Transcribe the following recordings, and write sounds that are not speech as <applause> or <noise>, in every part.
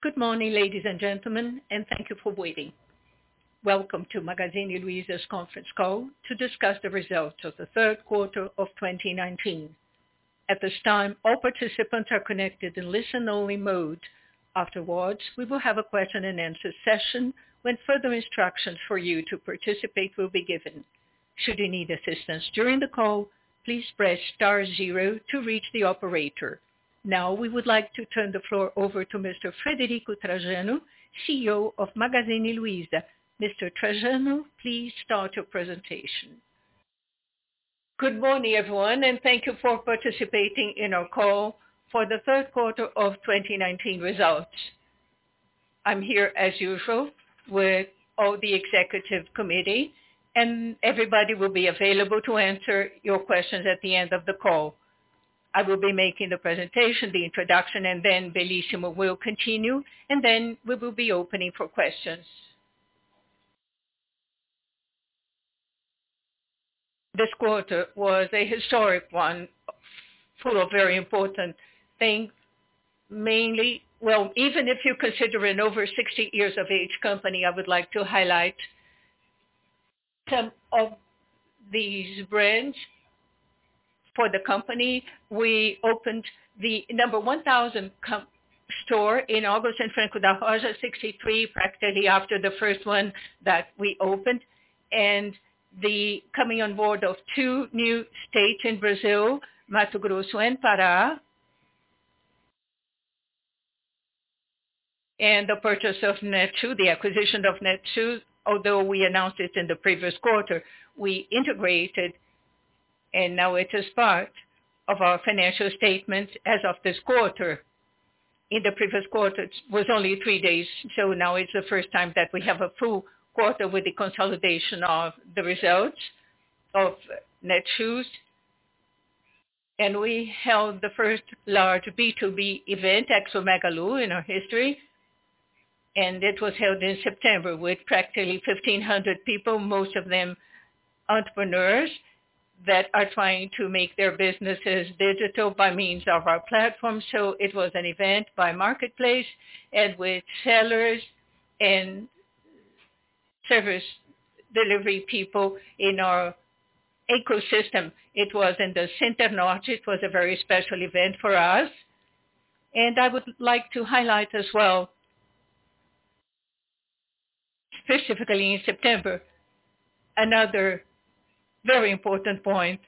Good morning, ladies and gentlemen, and thank you for waiting. Welcome to Magazine Luiza's conference call to discuss the results of the third quarter of 2019. At this time, all participants are connected in listen-only mode. Afterwards, we will have a question-and-answer session when further instructions for you to participate will be given. Should you need assistance during the call, please press star zero to reach the operator. Now, we would like to turn the floor over to Mr. Frederico Trajano, CEO of Magazine Luiza. Mr. Trajano, please start your presentation. Good morning, everyone, and thank you for participating in our call for the third quarter of 2019 results. I'm here as usual with all the executive committee, and everybody will be available to answer your questions at the end of the call. I will be making the presentation, the introduction, and then Bellissimo will continue, and then we will be opening for questions. This quarter was a historic one, full of very important things. Even if you consider an over 60 years of age company, I would like to highlight some of these brands for the company. We opened the number 1,000 store in August in Franco da Rocha, 63, practically after the first one that we opened. The coming on board of two new states in Brazil, Mato Grosso and Pará. The purchase of Netshoes, the acquisition of Netshoes, although we announced it in the previous quarter, we integrated, and now it is part of our financial statements as of this quarter. In the previous quarter, it was only three days. Now it's the first time that we have a full quarter with the consolidation of the results of Netshoes. We held the first large B2B event, Expo Magalu, in our history. It was held in September with practically 1,500 people, most of them entrepreneurs that are trying to make their businesses digital by means of our platform. It was an event by Marketplace and with sellers and service delivery people in our ecosystem. It was in the Center Norte. It was a very special event for us. I would like to highlight as well, specifically in September, another very important point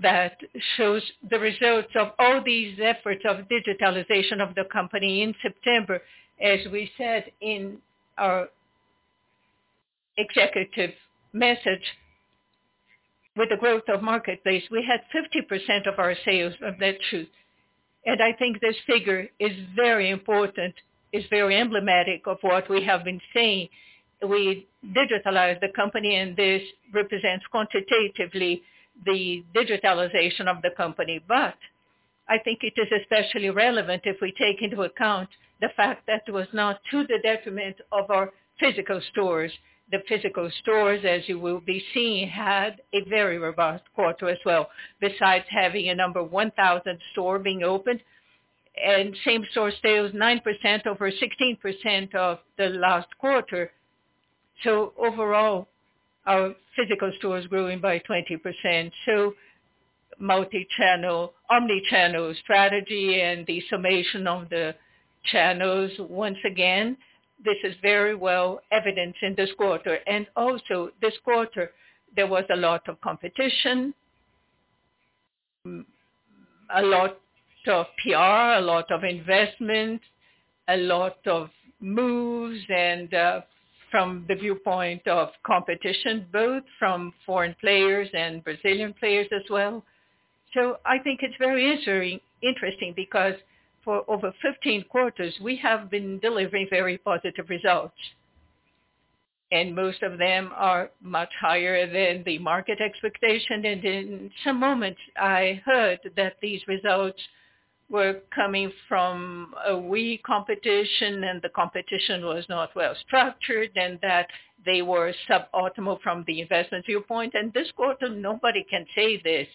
that shows the results of all these efforts of digitalization of the company in September. As we said in our executive message, with the growth of Marketplace, we had 50% of our sales of Netshoes. I think this figure is very important. It's very emblematic of what we have been saying. We digitalized the company, and this represents quantitatively the digitalization of the company. I think it is especially relevant if we take into account the fact that it was not to the detriment of our physical stores. The physical stores, as you will be seeing, had a very robust quarter as well. Besides having a number 1,000 store being opened, and same store sales 9% over 16% of the last quarter. Overall, our physical store is growing by 20%. Omni-channel strategy and the summation of the channels, once again, this is very well evidenced in this quarter. Also this quarter, there was a lot of competition, a lot of PR, a lot of investment, a lot of moves, and from the viewpoint of competition, both from foreign players and Brazilian players as well. I think it's very interesting because for over 15 quarters, we have been delivering very positive results. Most of them are much higher than the market expectation. In some moments, I heard that these results were coming from a weak competition, and the competition was not well structured, and that they were suboptimal from the investment viewpoint. This quarter, nobody can say this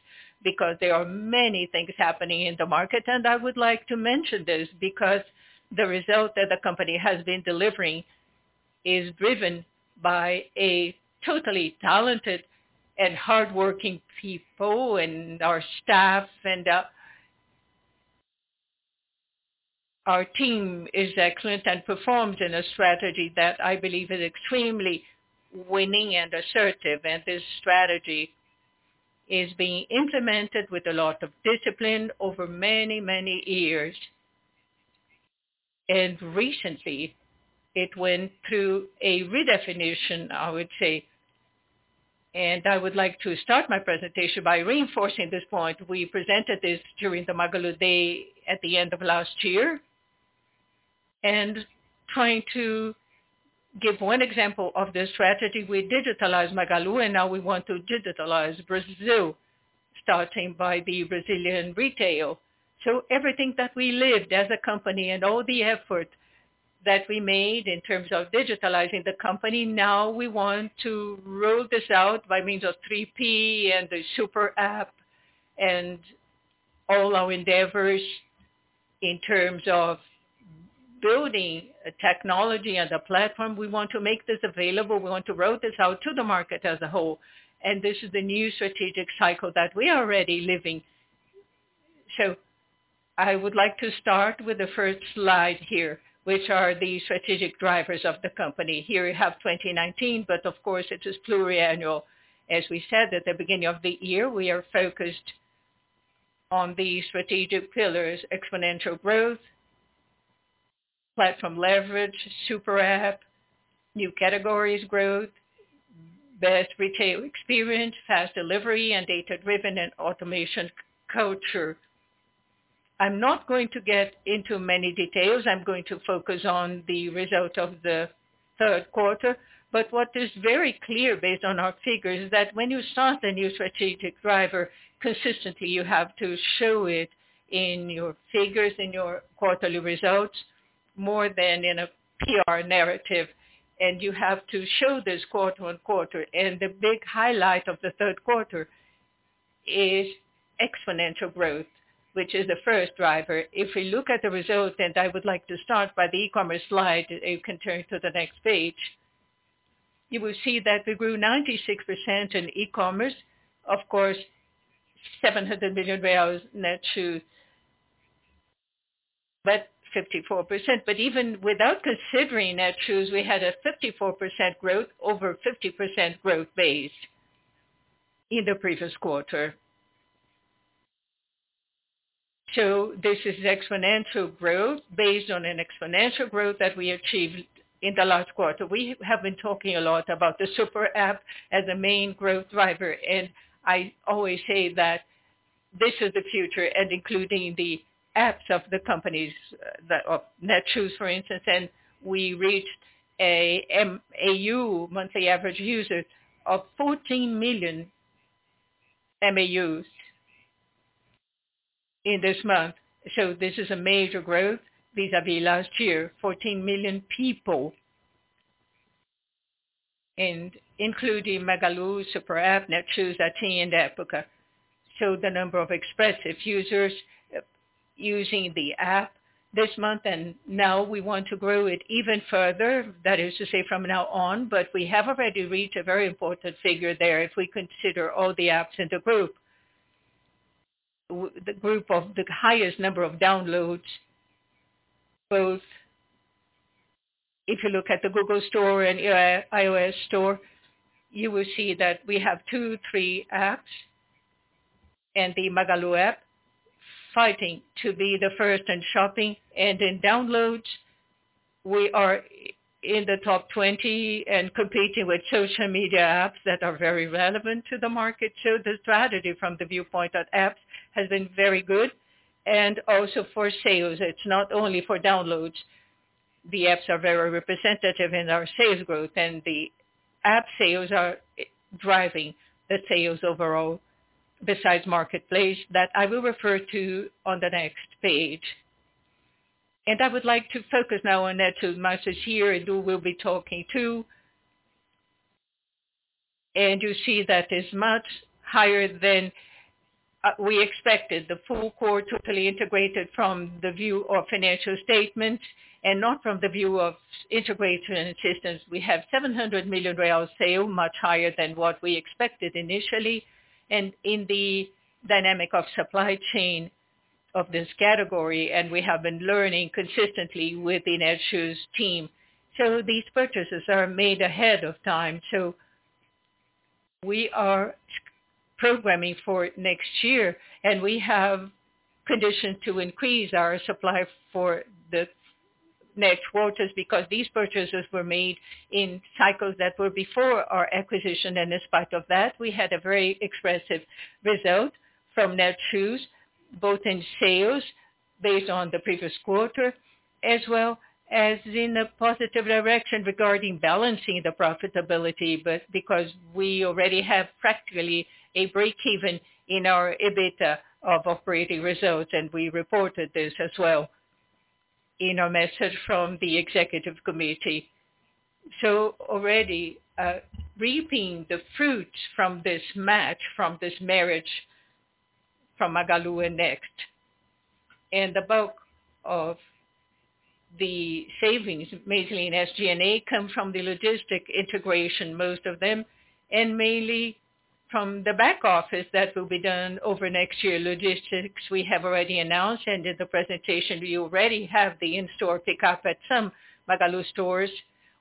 because there are many things happening in the market. I would like to mention this because the result that the company has been delivering is driven by a totally talented and hardworking people, and our staff and our team is excellent and performed in a strategy that I believe is extremely winning and assertive. This strategy is being implemented with a lot of discipline over many, many years. Recently it went through a redefinition, I would say. I would like to start my presentation by reinforcing this point. We presented this during the Magalu Day at the end of last year. Trying to give one example of this strategy, we digitalized Magalu, and now we want to digitalize Brazil, starting by the Brazilian retail. Everything that we lived as a company and all the effort that we made in terms of digitalizing the company, now we want to roll this out by means of 3P and the SuperApp and all our endeavors in terms of building a technology and a platform. We want to make this available. We want to roll this out to the market as a whole, and this is the new strategic cycle that we are already living. I would like to start with the first slide here, which are the strategic drivers of the company. Here we have 2019, but of course it is pluriannual. As we said at the beginning of the year, we are focused on the strategic pillars: exponential growth, platform leverage, SuperApp, new categories growth, best retail experience, fast delivery, and data-driven and automation culture. I'm not going to get into many details. I'm going to focus on the result of the third quarter. What is very clear, based on our figures, is that when you start a new strategic driver consistently, you have to show it in your figures, in your quarterly results, more than in a PR narrative. You have to show this quarter-over-quarter. The big highlight of the third quarter is exponential growth, which is the first driver. If we look at the results, I would like to start by the e-commerce slide, you can turn to the next page. You will see that we grew 96% in e-commerce. Of course, BRL 700 million Netshoes. 54%. Even without considering Netshoes, we had a 54% growth, over 50% growth base in the previous quarter. This is exponential growth based on an exponential growth that we achieved in the last quarter. We have been talking a lot about the SuperApp as a main growth driver. I always say that this is the future, including the apps of the companies, of Netshoes for instance. We reached a MAU, monthly average user, of 14 million MAUs in this month. This is a major growth vis-à-vis last year. 14 million people. Including Magalu, SuperApp, Netshoes, Zattini, and Época. The number of expressive users using the app this month. Now we want to grow it even further, that is to say, from now on. We have already reached a very important figure there if we consider all the apps in the group. The group of the highest number of downloads, both if you look at the Google Store and iOS store, you will see that we have two, three apps and the Magalu App fighting to be the first in shopping. In downloads, we are in the top 20 and competing with social media apps that are very relevant to the market. The strategy from the viewpoint of apps has been very good. Also for sales. It's not only for downloads. The apps are very representative in our sales growth. The App sales are driving the sales overall besides Marketplace that I will refer to on the next page. I would like to focus now on Netshoes much this year. You will be talking too. You see that it's much higher than we expected. The full quarter totally integrated from the view of financial statement and not from the view of integrated systems. We have 700 million real sale, much higher than what we expected initially. In the dynamic of supply chain of this category, and we have been learning consistently within Netshoes team. These purchases are made ahead of time. We are programming for next year, and we have conditioned to increase our supply for the next quarters because these purchases were made in cycles that were before our acquisition. In spite of that, we had a very expressive result from Netshoes, both in sales based on the previous quarter as well as in a positive direction regarding balancing the profitability, but because we already have practically a break-even in our EBITDA of operating results, and we reported this as well in our message from the executive committee. Already reaping the fruits from this match, from this marriage from Magalu. <audio distortion> The bulk of the savings, mainly in SG&A, come from the logistics integration, most of them. Mainly from the back office that will be done over next year. Logistics, we have already announced and in the presentation we already have the in-store pickup at some Magalu stores.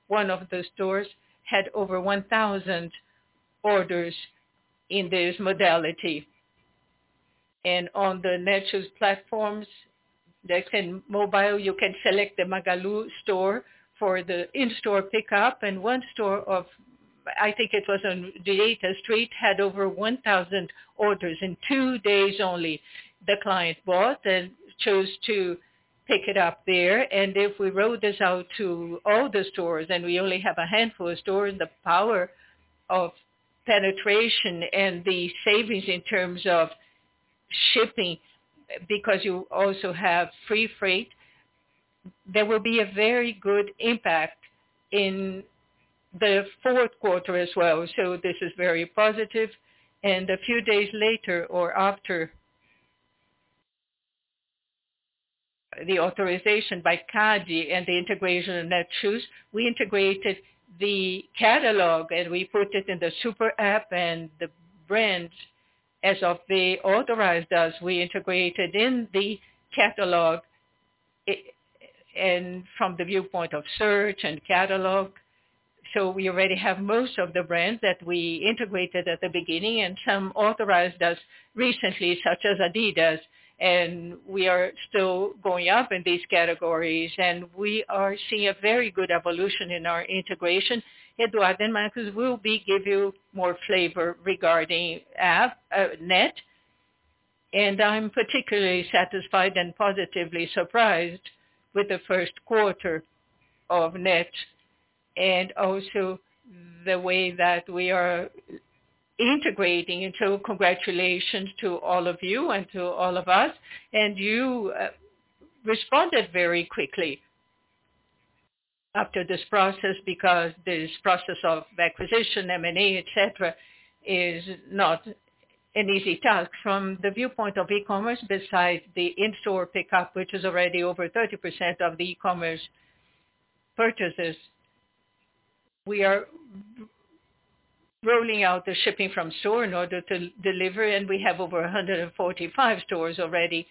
One of the stores had over 1,000 orders in this modality. On the Netshoes platforms, you can select the Magalu store for the in-store pickup. One store of, I think it was on Direita Street, had over 1,000 orders in two days only. The client bought and chose to pick it up there. If we roll this out to all the stores, and we only have a handful of stores, the power of penetration and the savings in terms of shipping, because you also have free freight. There will be a very good impact in the fourth quarter as well. This is very positive. A few days later, or after the authorization by CADE and the integration of Netshoes, we integrated the catalog and we put it in the SuperApp and the brands, as they authorized us, we integrated in the catalog and from the viewpoint of search and catalog. We already have most of the brands that we integrated at the beginning, and some authorized us recently, such as Adidas. We are still going up in these categories, and we are seeing a very good evolution in our integration. Eduardo and [Marcus] will give you more flavor regarding Netshoes. I'm particularly satisfied and positively surprised with the first quarter of Netshoes and also the way that we are integrating. Congratulations to all of you and to all of us. You responded very quickly after this process because this process of acquisition, M&A, et cetera, is not an easy task from the viewpoint of e-commerce, besides the in-store pickup, which is already over 30% of the e-commerce purchases. We are rolling out the shipping from store in order to deliver. We have over 145 stores already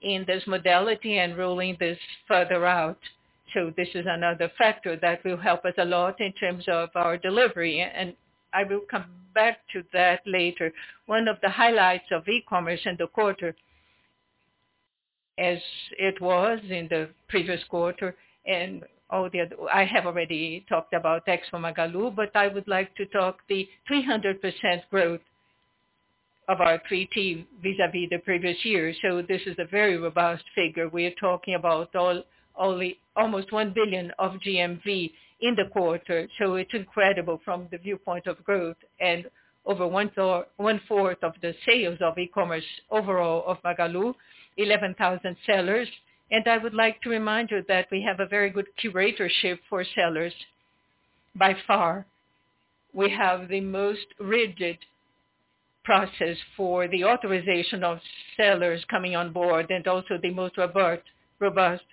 in this modality and rolling this further out. This is another factor that will help us a lot in terms of our delivery, and I will come back to that later. One of the highlights of e-commerce in the quarter, as it was in the previous quarter, I have already talked about tech for Magalu, but I would like to talk the 300% growth of our 3P vis-à-vis the previous year. This is a very robust figure. We are talking about almost 1 billion of GMV in the quarter. It's incredible from the viewpoint of growth and over 1/4 of the sales of e-commerce overall of Magalu, 11,000 sellers. I would like to remind you that we have a very good curatorship for sellers. By far, we have the most rigid process for the authorization of sellers coming on board and also the most robust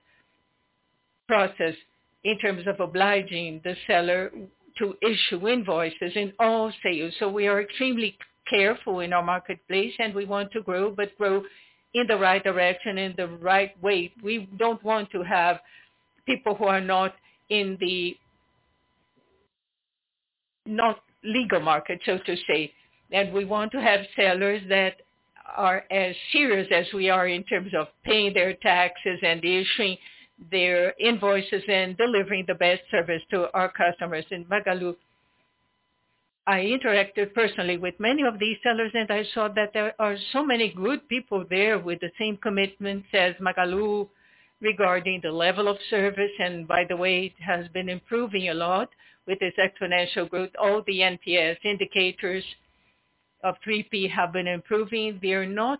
process in terms of obliging the seller to issue invoices in all sales. We are extremely careful in our marketplace, and we want to grow, but grow in the right direction, in the right way. We don't want to have people who are not in the legal market, so to say. We want to have sellers that are as serious as we are in terms of paying their taxes and issuing their invoices and delivering the best service to our customers in Magalu. I interacted personally with many of these sellers, and I saw that there are so many good people there with the same commitment as Magalu regarding the level of service. By the way, it has been improving a lot with this exponential growth. All the NPS indicators of 3P have been improving. They are not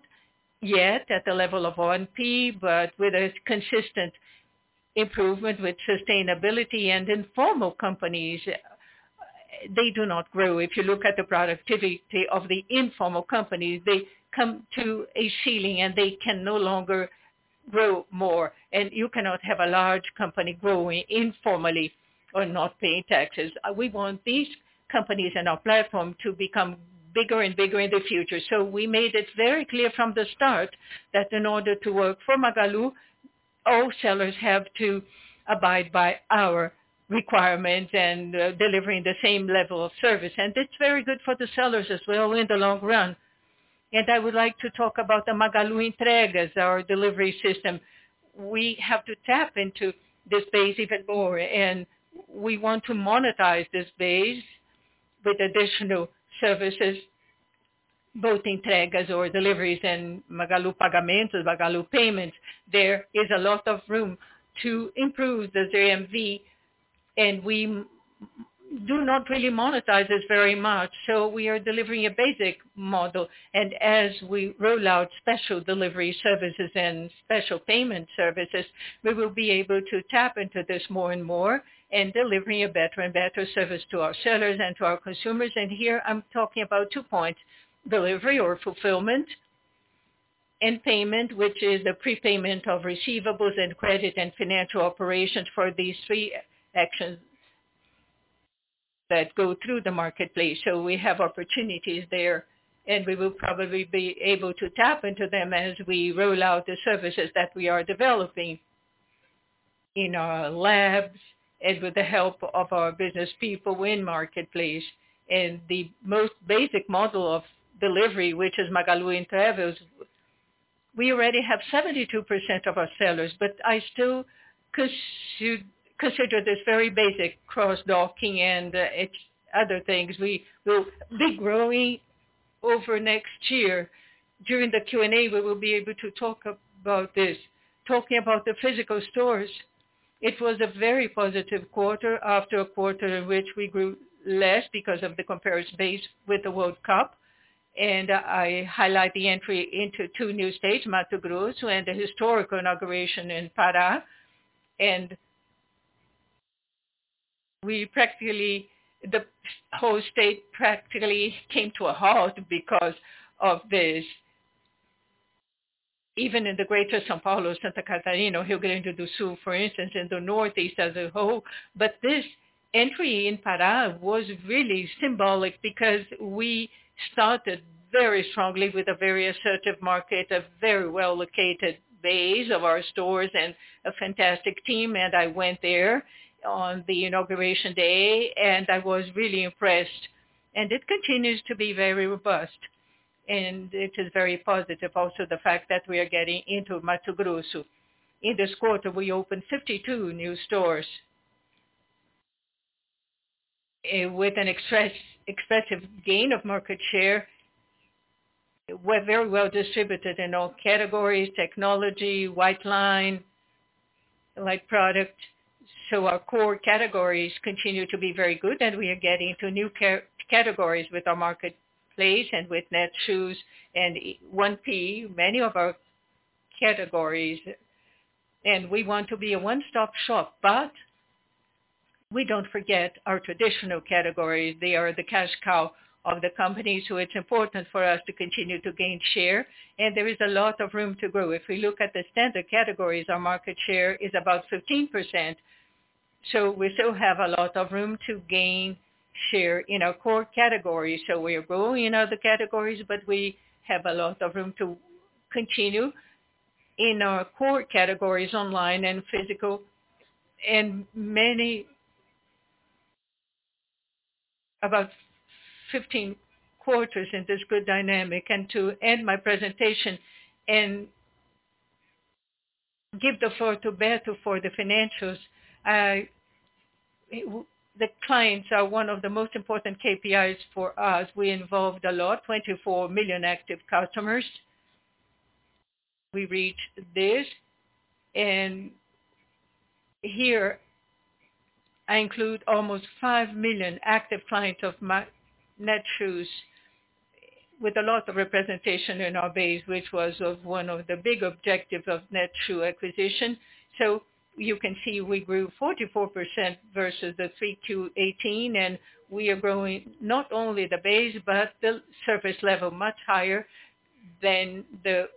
yet at the level of 1P, but with a consistent improvement with sustainability. Informal companies, they do not grow. If you look at the productivity of the informal companies, they come to a ceiling, they can no longer grow more. You cannot have a large company growing informally or not paying taxes. We want these companies in our platform to become bigger and bigger in the future. We made it very clear from the start that in order to work for Magalu, all sellers have to abide by our requirements and delivering the same level of service. It's very good for the sellers as well in the long run. I would like to talk about the Magalu Entregas, our delivery system. We have to tap into this base even more, and we want to monetize this base with additional services, both Entregas or deliveries and Magalu Pagamentos, Magalu Payments. There is a lot of room to improve the GMV, and we do not really monetize this very much. We are delivering a basic model. As we roll out special delivery services and special payment services, we will be able to tap into this more and more and delivering a better and better service to our sellers and to our consumers. Here I'm talking about two points, delivery or fulfillment, and payment, which is a prepayment of receivables and credit and financial operations for these three actions that go through the marketplace. We have opportunities there, and we will probably be able to tap into them as we roll out the services that we are developing in our labs and with the help of our business people in marketplace. The most basic model of delivery, which is Magalu Entregas, we already have 72% of our sellers, but I still consider this very basic cross-docking and other things. We will be growing over next year. During the Q&A, we will be able to talk about this. Talking about the physical stores, it was a very positive quarter after a quarter in which we grew less because of the comparison base with the World Cup. I highlight the entry into two new states, Mato Grosso and the historical inauguration in Pará. The whole state practically came to a halt because of this. Even in the greater São Paulo, Santa Catarina, Rio Grande do Sul, for instance, and the Northeast as a whole. This entry in Pará was really symbolic because we started very strongly with a very assertive market, a very well-located base of our stores, and a fantastic team. I went there on the inauguration day, and I was really impressed. It continues to be very robust, and it is very positive. Also, the fact that we are getting into Mato Grosso. In this quarter, we opened 52 new stores. With an expressive gain of market share. We're very well-distributed in all categories, technology, white line, light product. Our core categories continue to be very good, and we are getting to new categories with our Marketplace and with Netshoes and 1P, many of our categories. We want to be a one-stop shop, but we don't forget our traditional categories. They are the cash cow of the company, so it is important for us to continue to gain share, and there is a lot of room to grow. If we look at the standard categories, our market share is about 15%. We still have a lot of room to gain share in our core categories. We are growing in other categories, but we have a lot of room to continue in our core categories online and physical. About 15 quarters in this good dynamic. To end my presentation and give the floor to Roberto for the financials. The clients are one of the most important KPIs for us. We involved a lot, 24 million active customers. We reached this, here I include almost 5 million active clients of Netshoes with a lot of representation in our base, which was of one of the big objective of Netshoes acquisition. You can see we grew 44% versus the 3Q 2018, we are growing not only the base, but the service level much higher than the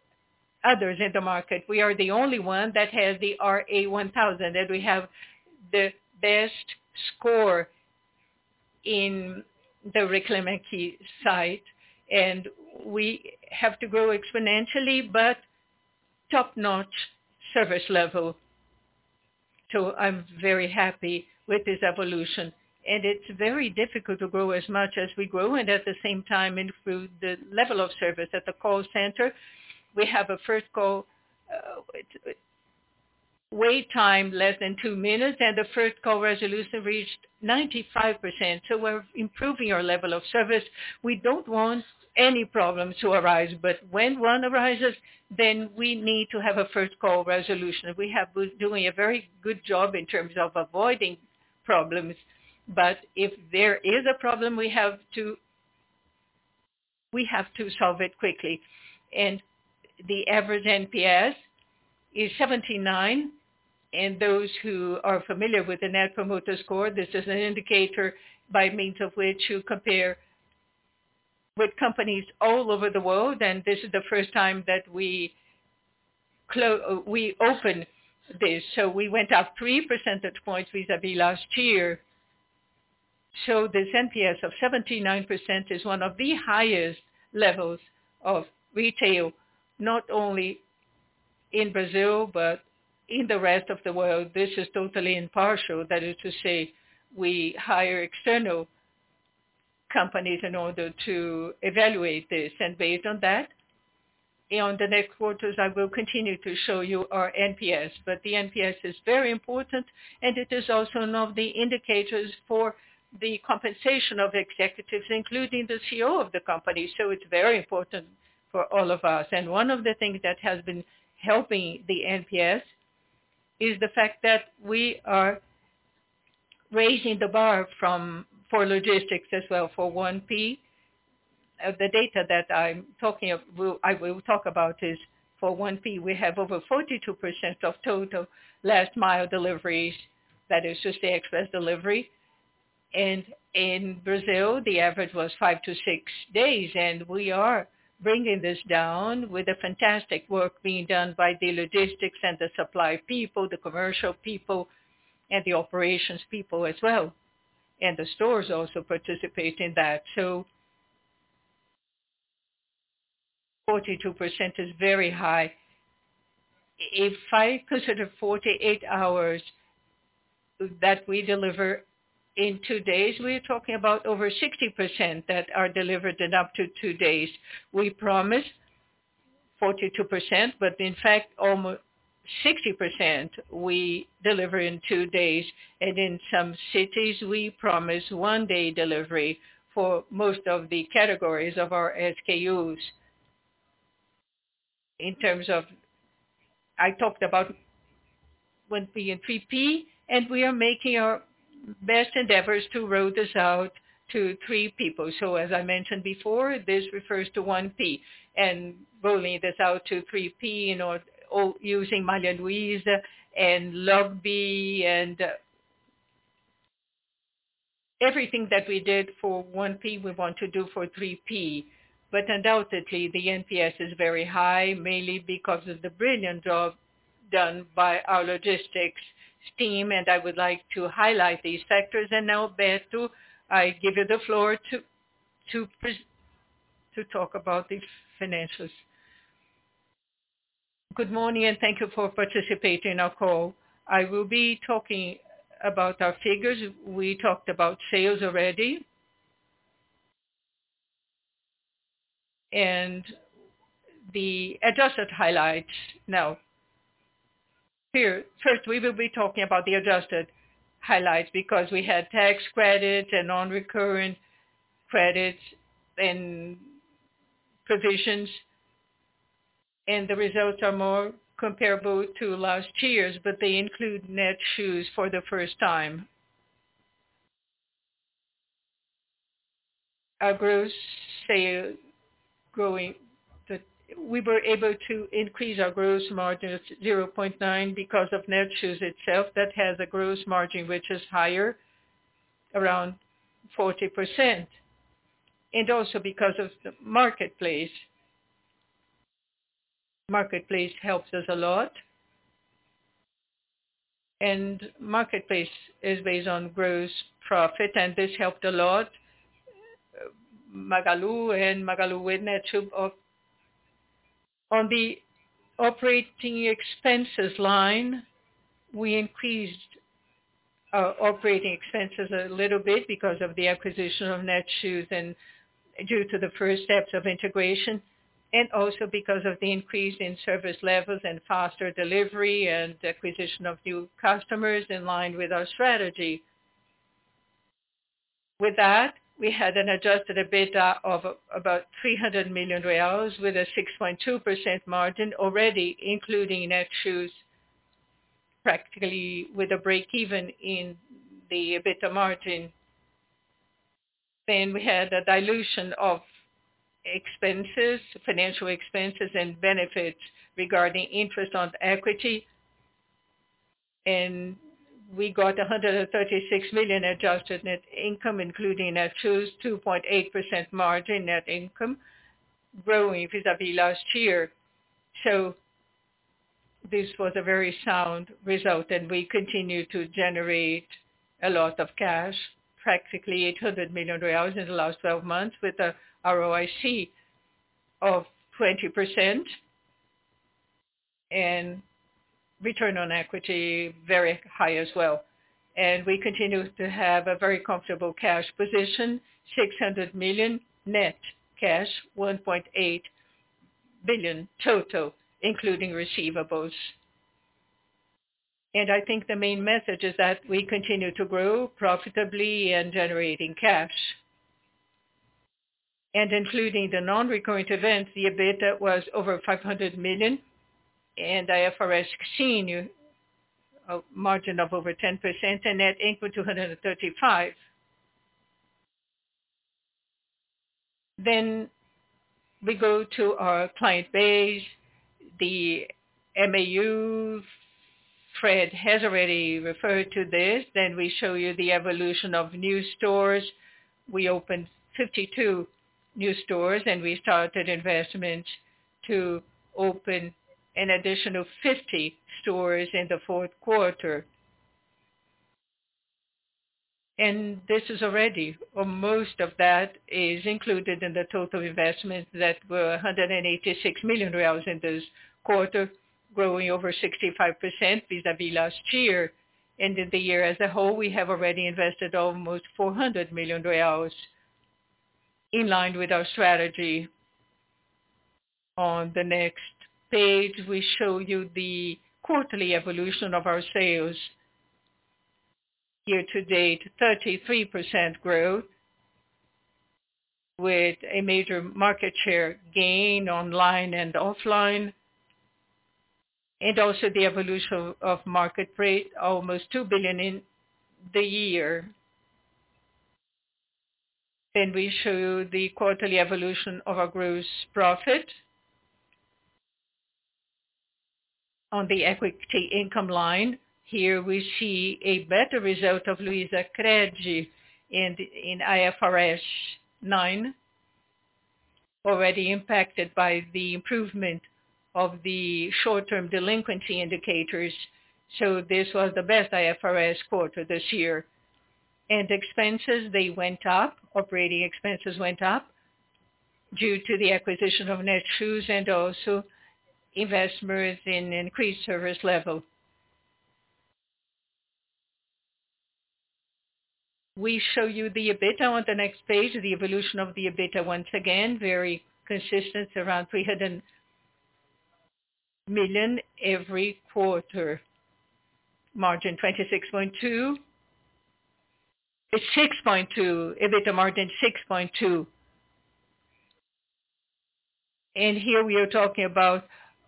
others in the market. We are the only one that has the RA1000. We have the best score in the Reclame Aqui site. We have to grow exponentially, top-notch service level. I'm very happy with this evolution. It's very difficult to grow as much as we grow and at the same time improve the level of service at the call center. We have a first call wait time less than two minutes, the first call resolution reached 95%. We're improving our level of service. We don't want any problems to arise, but when one arises, then we need to have a first call resolution. We have been doing a very good job in terms of avoiding problems. If there is a problem, we have to solve it quickly. The average NPS is 79, and those who are familiar with the Net Promoter Score, this is an indicator by means of which you compare with companies all over the world. This is the first time that we opened this. We went up three percentage points vis-à-vis last year. This NPS of 79% is one of the highest levels of retail, not only in Brazil, but in the rest of the world. This is totally impartial. That is to say, we hire external companies in order to evaluate this. Based on that, on the next quarters, I will continue to show you our NPS. The NPS is very important, and it is also one of the indicators for the compensation of executives, including the CEO of the company. It's very important for all of us. One of the things that has been helping the NPS is the fact that we are raising the bar for logistics as well, for 1P. The data that I will talk about is for 1P. We have over 42% of total last mile deliveries. That is just the express delivery. In Brazil, the average was five to six days, and we are bringing this down with the fantastic work being done by the logistics and the supply people, the commercial people, and the operations people as well. The stores also participate in that. 42% is very high. If I consider 48 hours that we deliver in two days, we are talking about over 60% that are delivered in up to two days. We promised 42%. In fact, almost 60% we deliver in two days. In some cities, we promise one-day delivery for most of the categories of our SKUs. In terms of, I talked about 1P and 3P. We are making our best endeavors to roll this out to 3P. As I mentioned before, this refers to 1P and rolling this out to 3P, using Magazine Luiza and LogBee and everything that we did for 1P, we want to do for 3P. Undoubtedly, the NPS is very high, mainly because of the brilliant job done by our logistics team. I would like to highlight these factors. Now, Roberto, I give you the floor to talk about the financials. Good morning, and thank you for participating in our call. I will be talking about our figures. We talked about sales already. The adjusted highlights. Now, here, first, we will be talking about the adjusted highlights because we had tax credits and non-recurrent credits and provisions, and the results are more comparable to last year's, but they include Netshoes for the first time. Our gross sales growing. We were able to increase our gross margin by 0.9% because of Netshoes itself, that has a gross margin which is higher, around 40%. Also because of the marketplace. Marketplace helps us a lot. Marketplace is based on gross profit, and this helped a lot Magalu and Magalu with Netshoes. On the operating expenses line, we increased our operating expenses a little bit because of the acquisition of Netshoes and due to the first steps of integration, also because of the increase in service levels and faster delivery and acquisition of new customers in line with our strategy. With that, we had an adjusted EBITDA of about BRL 300 million with a 6.2% margin already including Netshoes, practically with a break even in the EBITDA margin. We had a dilution of expenses, financial expenses, and benefits regarding interest on equity. We got 136 million adjusted net income, including a 2.8% margin net income growing vis-à-vis last year. This was a very sound result. We continue to generate a lot of cash, practically BRL 800 million in the last 12 months with a ROIC of 20%, and return on equity very high as well. We continue to have a very comfortable cash position, 600 million net cash, 1.8 billion total, including receivables. I think the main message is that we continue to grow profitably and generating cash. Including the non-recurrent events, the EBITDA was over 500 million and IFRS 16, a margin of over 10% and net income 235 million. We go to our client base. The MAUs, Fred has already referred to this. We show you the evolution of new stores. We opened 52 new stores, and we started investment to open an additional 50 stores in the fourth quarter. This is already, or most of that is included in the total investment that were 186 million reais in this quarter, growing over 65% vis-à-vis last year. End of the year as a whole, we have already invested almost BRL 400 million in line with our strategy. On the next page, we show you the quarterly evolution of our sales. Year to date, 33% growth with a major market share gain online and offline, and also the evolution of market rate, almost 2 billion in the year. We show you the quarterly evolution of our gross profit. On the equity income line, here we see a better result of Luizacred in IFRS 9, already impacted by the improvement of the short-term delinquency indicators. This was the best IFRS quarter this year. Expenses, they went up. Operating expenses went up due to the acquisition of Netshoes and also investments in increased service level. We show you the EBITDA on the next page. The evolution of the EBITDA, once again, very consistent around 300 million every quarter. EBITDA margin 6.2%. Here we are talking about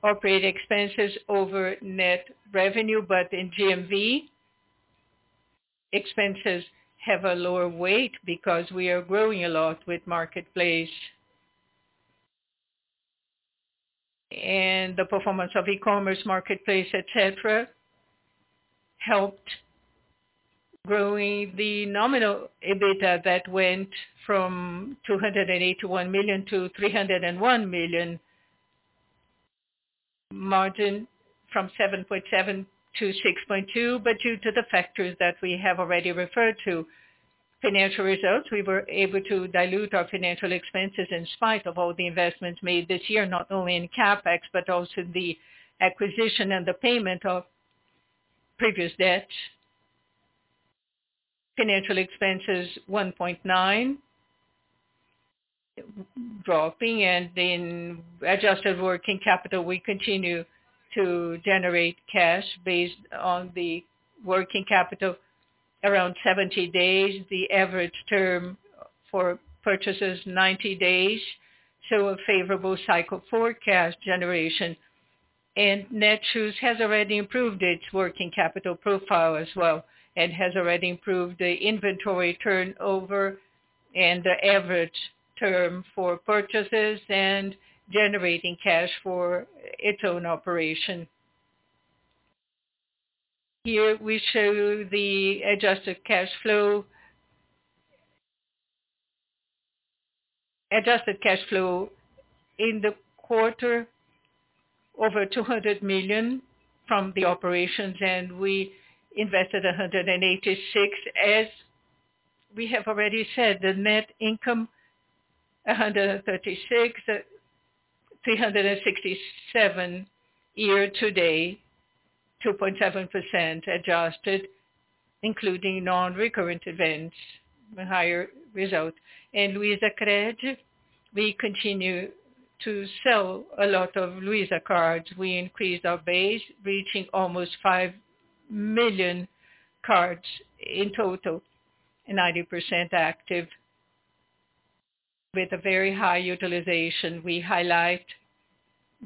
operating expenses over net revenue, but in GMV, expenses have a lower weight because we are growing a lot with Marketplace. The performance of e-commerce Marketplace, et cetera, helped growing the nominal EBITDA that went from 281 million to 301 million. Margin from 7.7% to 6.2%, but due to the factors that we have already referred to. Financial results, we were able to dilute our financial expenses in spite of all the investments made this year, not only in CapEx, but also the acquisition and the payment of previous debt. Financial expenses, 1.9%. Dropping and in adjusted working capital, we continue to generate cash based on the working capital around 70 days. The average term for purchases, 90 days, so a favorable cycle for cash generation. Netshoes has already improved its working capital profile as well, and has already improved the inventory turnover and the average term for purchases and generating cash for its own operation. Here we show the adjusted cash flow. Adjusted cash flow in the quarter over 200 million from the operations, we invested 186 million as we have already said. The net income, 136 million, 367 million year-to-date, 2.7% adjusted, including non-recurrent events, higher results. Luizacred, we continue to sell a lot of Luiza cards. We increased our base, reaching almost 5 million cards in total, 90% active with a very high utilization. We highlight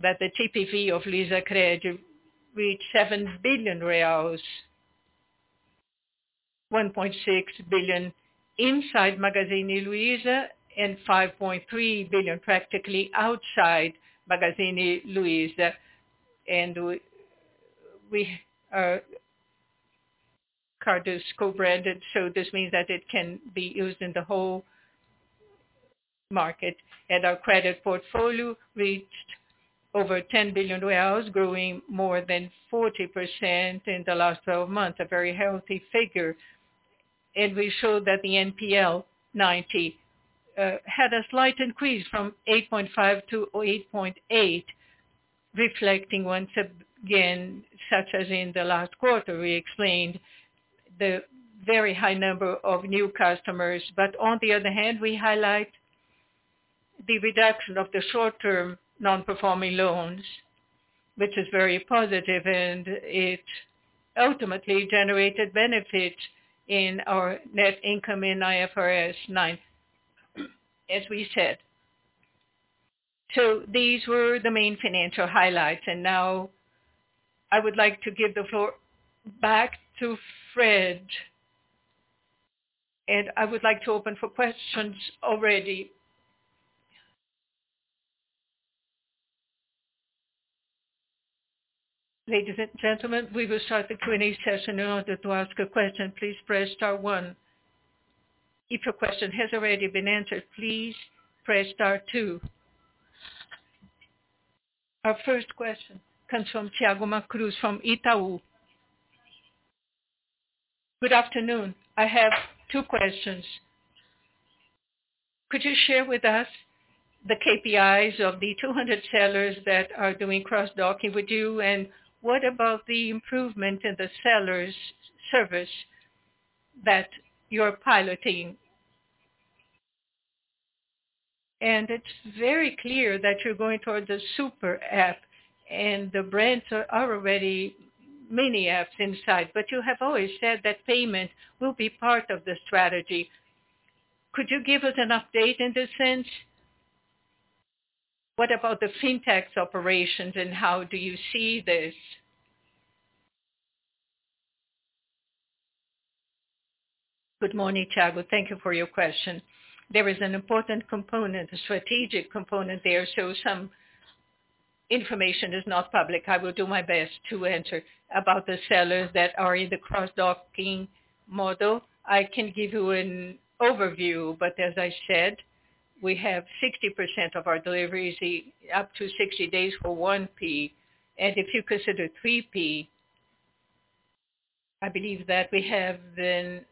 that the TPV of Luizacred reached 7 billion reais. 1.6 billion inside Magazine Luiza and 5.3 billion practically outside Magazine Luiza. Our card is co-branded, so this means that it can be used in the whole market. Our credit portfolio reached over BRL 10 billion, growing more than 40% in the last 12 months, a very healthy figure. We showed that the NPL90 had a slight increase from 8.5 to 8.8, reflecting once again, such as in the last quarter we explained, the very high number of new customers. On the other hand, we highlight the reduction of the short-term non-performing loans, which is very positive, and it ultimately generated benefits in our net income in IFRS 9, as we said. These were the main financial highlights, and now I would like to give the floor back to Fred. I would like to open for questions already. Ladies and gentlemen, we will start the Q&A session. In order to ask a question, please press star one. If your question has already been answered, please press star two. Our first question comes from Thiago Macruz from Itaú. Good afternoon. I have two questions. Could you share with us the KPIs of the 200 sellers that are doing crossdocking with you, and what about the improvement in the sellers' service that you're piloting? It's very clear that you're going towards a SuperApp, and the brands are already mini apps inside. You have always said that payment will be part of the strategy. Could you give us an update in this sense? What about the fintechs operations and how do you see this? Good morning, Thiago. Thank you for your question. There is an important component, a strategic component there, some information is not public. I will do my best to answer about the sellers that are in the crossdocking model. I can give you an overview, but as I said, we have 60% of our deliveries up to 60 days for 1P. If you consider 3P, I believe that we have been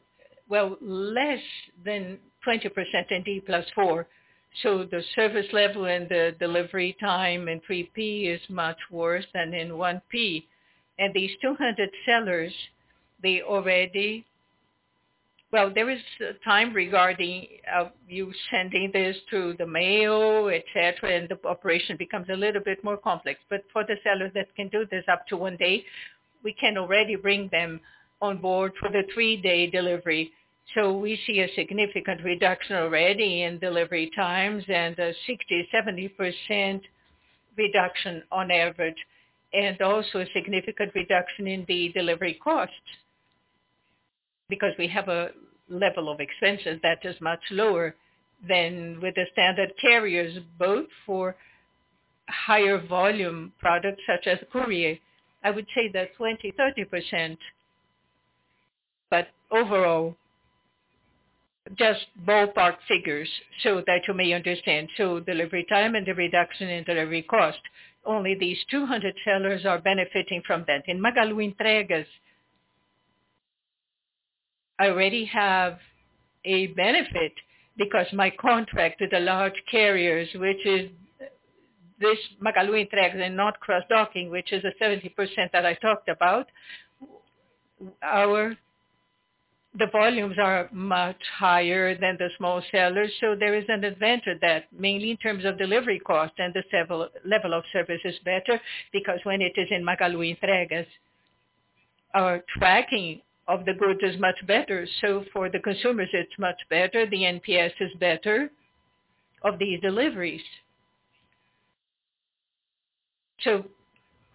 less than 20% in D+4. The service level and the delivery time in 3P is much worse than in 1P. These 200 sellers, Well, there is time regarding you sending this to the mail, et cetera, and the operation becomes a little bit more complex. For the seller that can do this up to one day, we can already bring them on board for the three-day delivery. We see a significant reduction already in delivery times and a 60%, 70% reduction on average, and also a significant reduction in the delivery costs. We have a level of expenses that is much lower than with the standard carriers, both for higher volume products such as. <audio distortion> I would say that 20%, 30%, but overall, just ballpark figures so that you may understand. Delivery time and the reduction in delivery cost, only these 200 sellers are benefiting from that. In Magalu Entregas, I already have a benefit because my contract with the large carriers, which is this Magalu Entregas and not cross-docking, which is the 70% that I talked about. The volumes are much higher than the small sellers, so there is an advantage there, mainly in terms of delivery cost and the level of service is better because when it is in Magalu Entregas, our tracking of the goods is much better. For the consumers, it's much better, the NPS is better of the deliveries.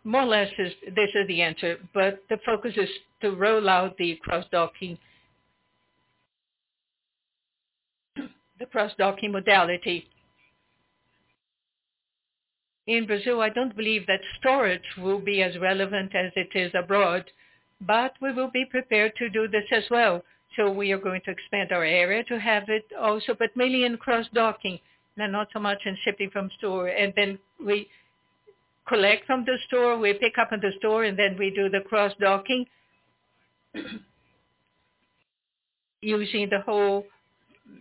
More or less, this is the answer, but the focus is to roll out the cross-docking modality. In Brazil, I don't believe that storage will be as relevant as it is abroad, but we will be prepared to do this as well. We are going to expand our area to have it also, but mainly in cross-docking, and not so much in shipping from store. We collect from the store, we pick up at the store, and then we do the cross-docking using the whole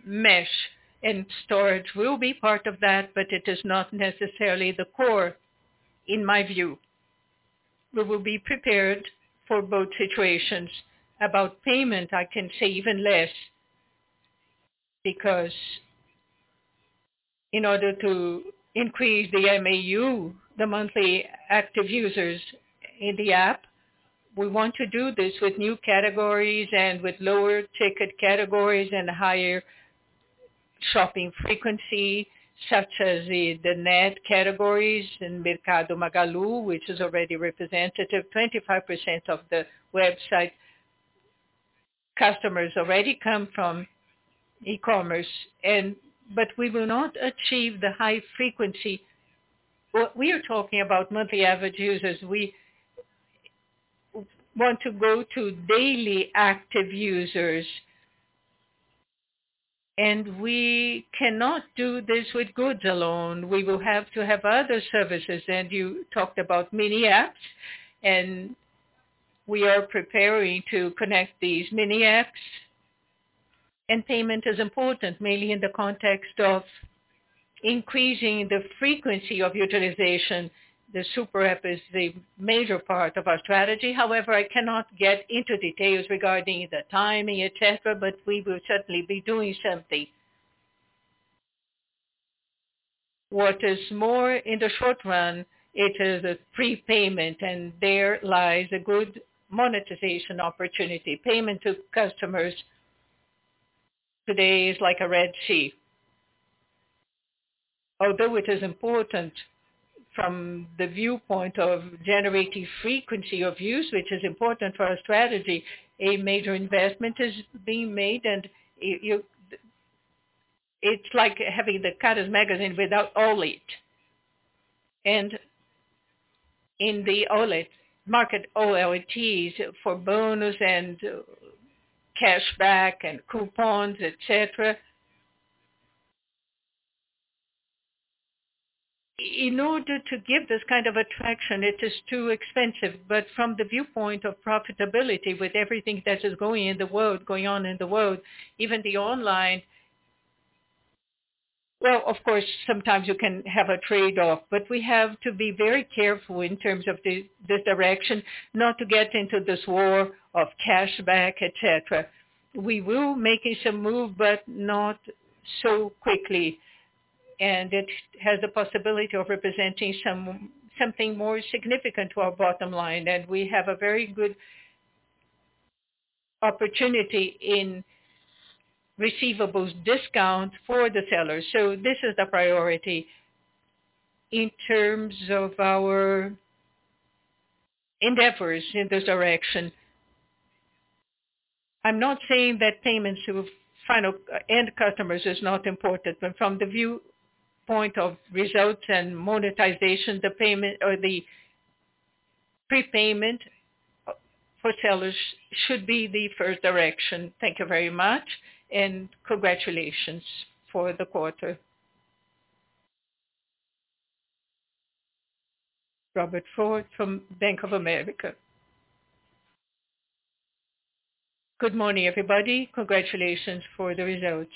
mesh. Storage will be part of that, but it is not necessarily the core in my view. We will be prepared for both situations. About payment, I can say even less, because in order to increase the MAU, the monthly active users in the App, we want to do this with new categories and with lower ticket categories and higher shopping frequency, such as the Netshoes categories in Mercado Magalu, which is already representative. 25% of the website customers already come from e-commerce. We will not achieve the high frequency. What we are talking about monthly active users, we want to go to daily active users, and we cannot do this with goods alone. We will have to have other services. You talked about mini apps, and we are preparing to connect these mini apps. Payment is important, mainly in the context of increasing the frequency of utilization. The SuperApp is the major part of our strategy. However, I cannot get into details regarding the timing, et cetera, but we will certainly be doing something. What is more in the short run, it is a prepayment and there lies a good monetization opportunity. Payment to customers today is like a red sheet. Although it is important from the viewpoint of generating frequency of use, which is important for our strategy, a major investment is being made, and it's like having the carteira Magazine without [Olet]. In the [Olet] market, [Olets] for bonus and cash back and coupons, et cetera. In order to give this kind of attraction, it is too expensive, but from the viewpoint of profitability, with everything that is going on in the world, even the online-- Well, of course, sometimes you can have a trade-off, but we have to be very careful in terms of the direction not to get into this war of cash back, et cetera. We will making some move, but not so quickly. It has the possibility of representing something more significant to our bottom line. We have a very good opportunity in receivables discount for the sellers. This is the priority in terms of our endeavors in this direction. I'm not saying that payments to final end customers is not important, but from the viewpoint of results and monetization, the prepayment for sellers should be the first direction. Thank you very much, and congratulations for the quarter. Robert Ford from Bank of America. Good morning, everybody. Congratulations for the results.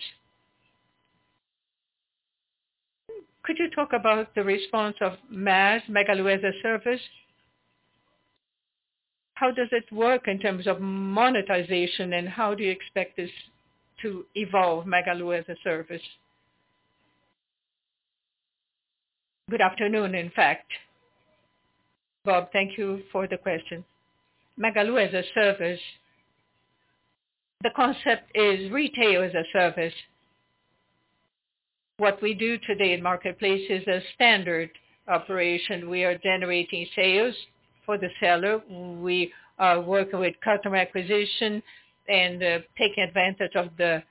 Could you talk about the response of MaaS, Magalu as a Service? How does it work in terms of monetization, and how do you expect this to evolve Magalu as a Service? Good afternoon. In fact, Rob, thank you for the question. Magalu as a Service, the concept is retail as a service. What we do today in Marketplace is a standard operation. We are generating sales for the seller. We are working with customer acquisition and taking advantage of the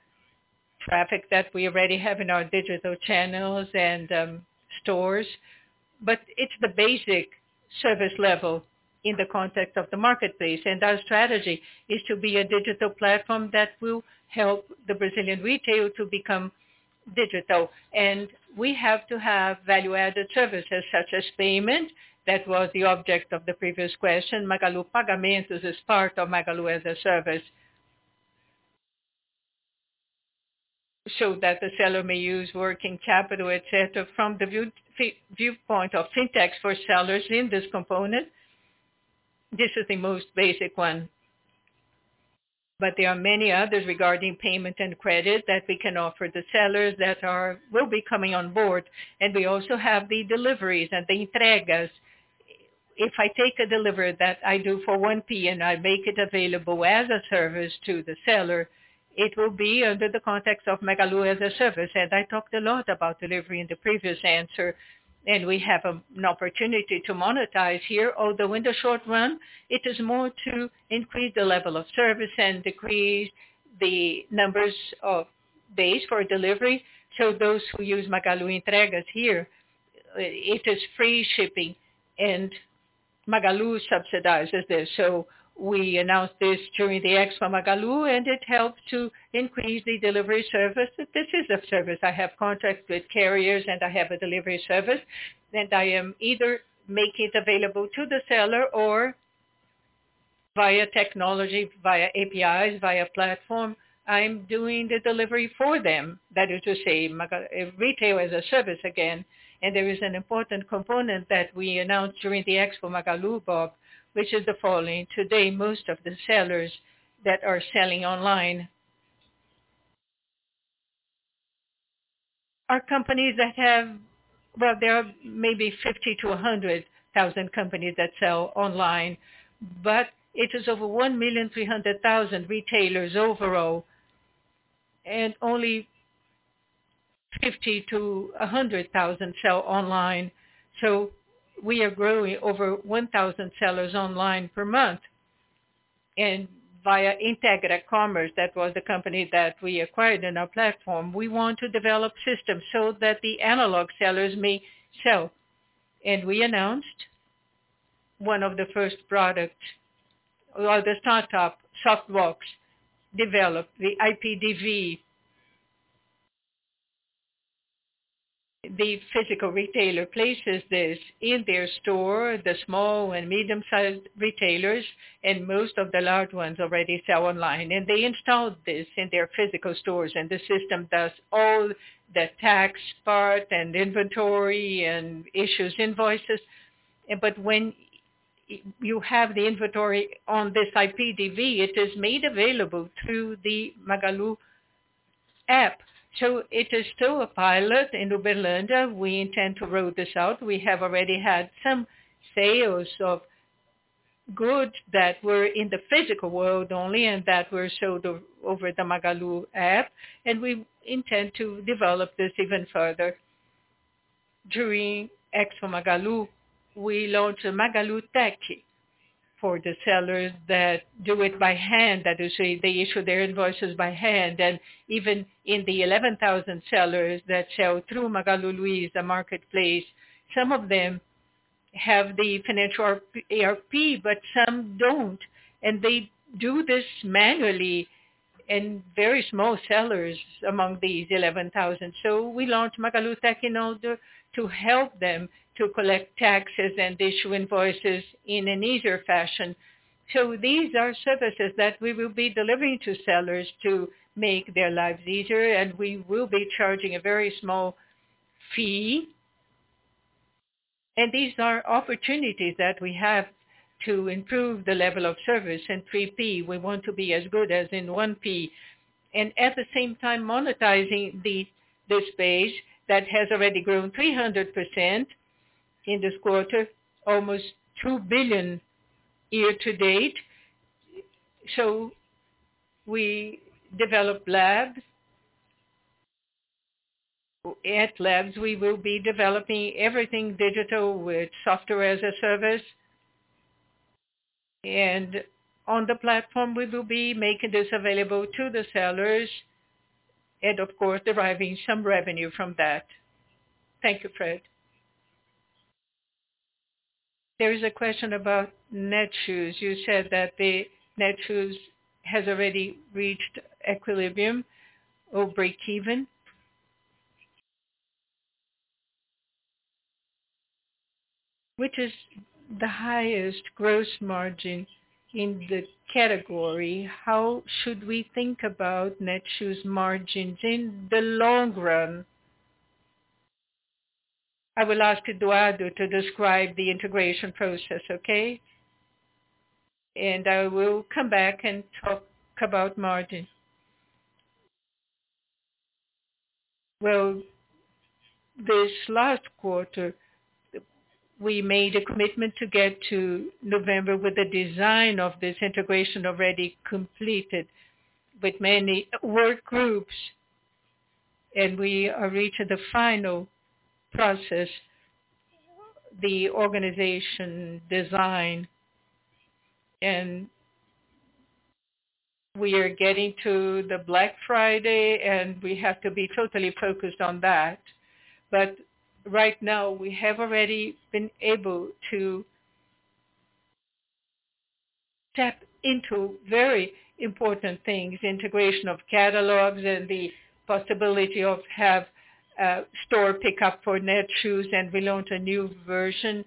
traffic that we already have in our digital channels and stores. It's the basic service level in the context of the marketplace, and our strategy is to be a digital platform that will help the Brazilian retail to become digital. We have to have value-added services such as payment. That was the object of the previous question. Magalu Pagamentos is part of Magalu as a Service. That the seller may use working capital, et cetera, from the viewpoint of fintechs for sellers in this component. This is the most basic one. There are many others regarding payment and credit that we can offer the sellers that will be coming on board, and we also have the deliveries and the Entregas. If I take a delivery that I do for 1P and I make it available as a service to the seller, it will be under the context of Magalu as a Service. I talked a lot about delivery in the previous answer, and we have an opportunity to monetize here. Although in the short run, it is more to increase the level of service and decrease the numbers of days for delivery. Those who use Magalu Entregas here, it is free shipping and Magalu subsidizes this. We announced this during the Expo Magalu, and it helped to increase the delivery service. This is a service. I have contracts with carriers, and I have a delivery service, and I am either making it available to the seller or via technology, via APIs, via platform, I'm doing the delivery for them. That is to say, retail as a service again. There is an important component that we announced during the Expo Magalu, Rob, which is the following. Today, most of the sellers that are selling online are companies that have well, there are maybe 50,000-100,000 companies that sell online, but it is over 1,300,000 retailers overall, and only 50,000-100,000 sell online. We are growing over 1,000 sellers online per month. Via IntegraCommerce, that was the company that we acquired in our platform. We want to develop systems so that the analog sellers may sell. We announced one of the first products, well, the startup, Softbox, developed the iPDV. The physical retailer places this in their store, the small and medium-sized retailers, and most of the large ones already sell online. They installed this in their physical stores, and the system does all the tax part and inventory and issues invoices. When you have the inventory on this iPDV, it is made available through the Magalu App. It is still a pilot in Uberlândia. We intend to roll this out. We have already had some sales of goods that were in the physical world only and that were sold over the Magalu App, and we intend to develop this even further. During Expo Magalu, we launched Magalu Tech for the sellers that do it by hand. That is, they issue their invoices by hand. Even in the 11,000 sellers that sell through Magalu Luiza, the marketplace, some of them have the financial ERP, but some don't, and they do this manually and very small sellers among these 11,000. We launched Magalu Tech in order to help them to collect taxes and issue invoices in an easier fashion. These are services that we will be delivering to sellers to make their lives easier, and we will be charging a very small fee. These are opportunities that we have to improve the level of service in 3P. We want to be as good as in 1P, and at the same time monetizing this base that has already grown 300% in this quarter, almost 2 billion year-to-date. We developed Luizalabs. At Luizalabs, we will be developing everything digital with software as a service. On the platform, we will be making this available to the sellers and of course, deriving some revenue from that. Thank you, Fred. There is a question about Netshoes. You said that Netshoes has already reached equilibrium or breakeven? Which is the highest gross margin in the category. How should we think about Netshoes margins in the long run? I will ask Eduardo to describe the integration process, okay? I will come back and talk about margin. Well, this last quarter, we made a commitment to get to November with the design of this integration already completed with many work groups. We are reaching the final process, the organization design. We are getting to the Black Friday, and we have to be totally focused on that. Right now we have already been able to tap into very important things, integration of catalogs and the possibility of have store pickup for Netshoes. We launched a new version,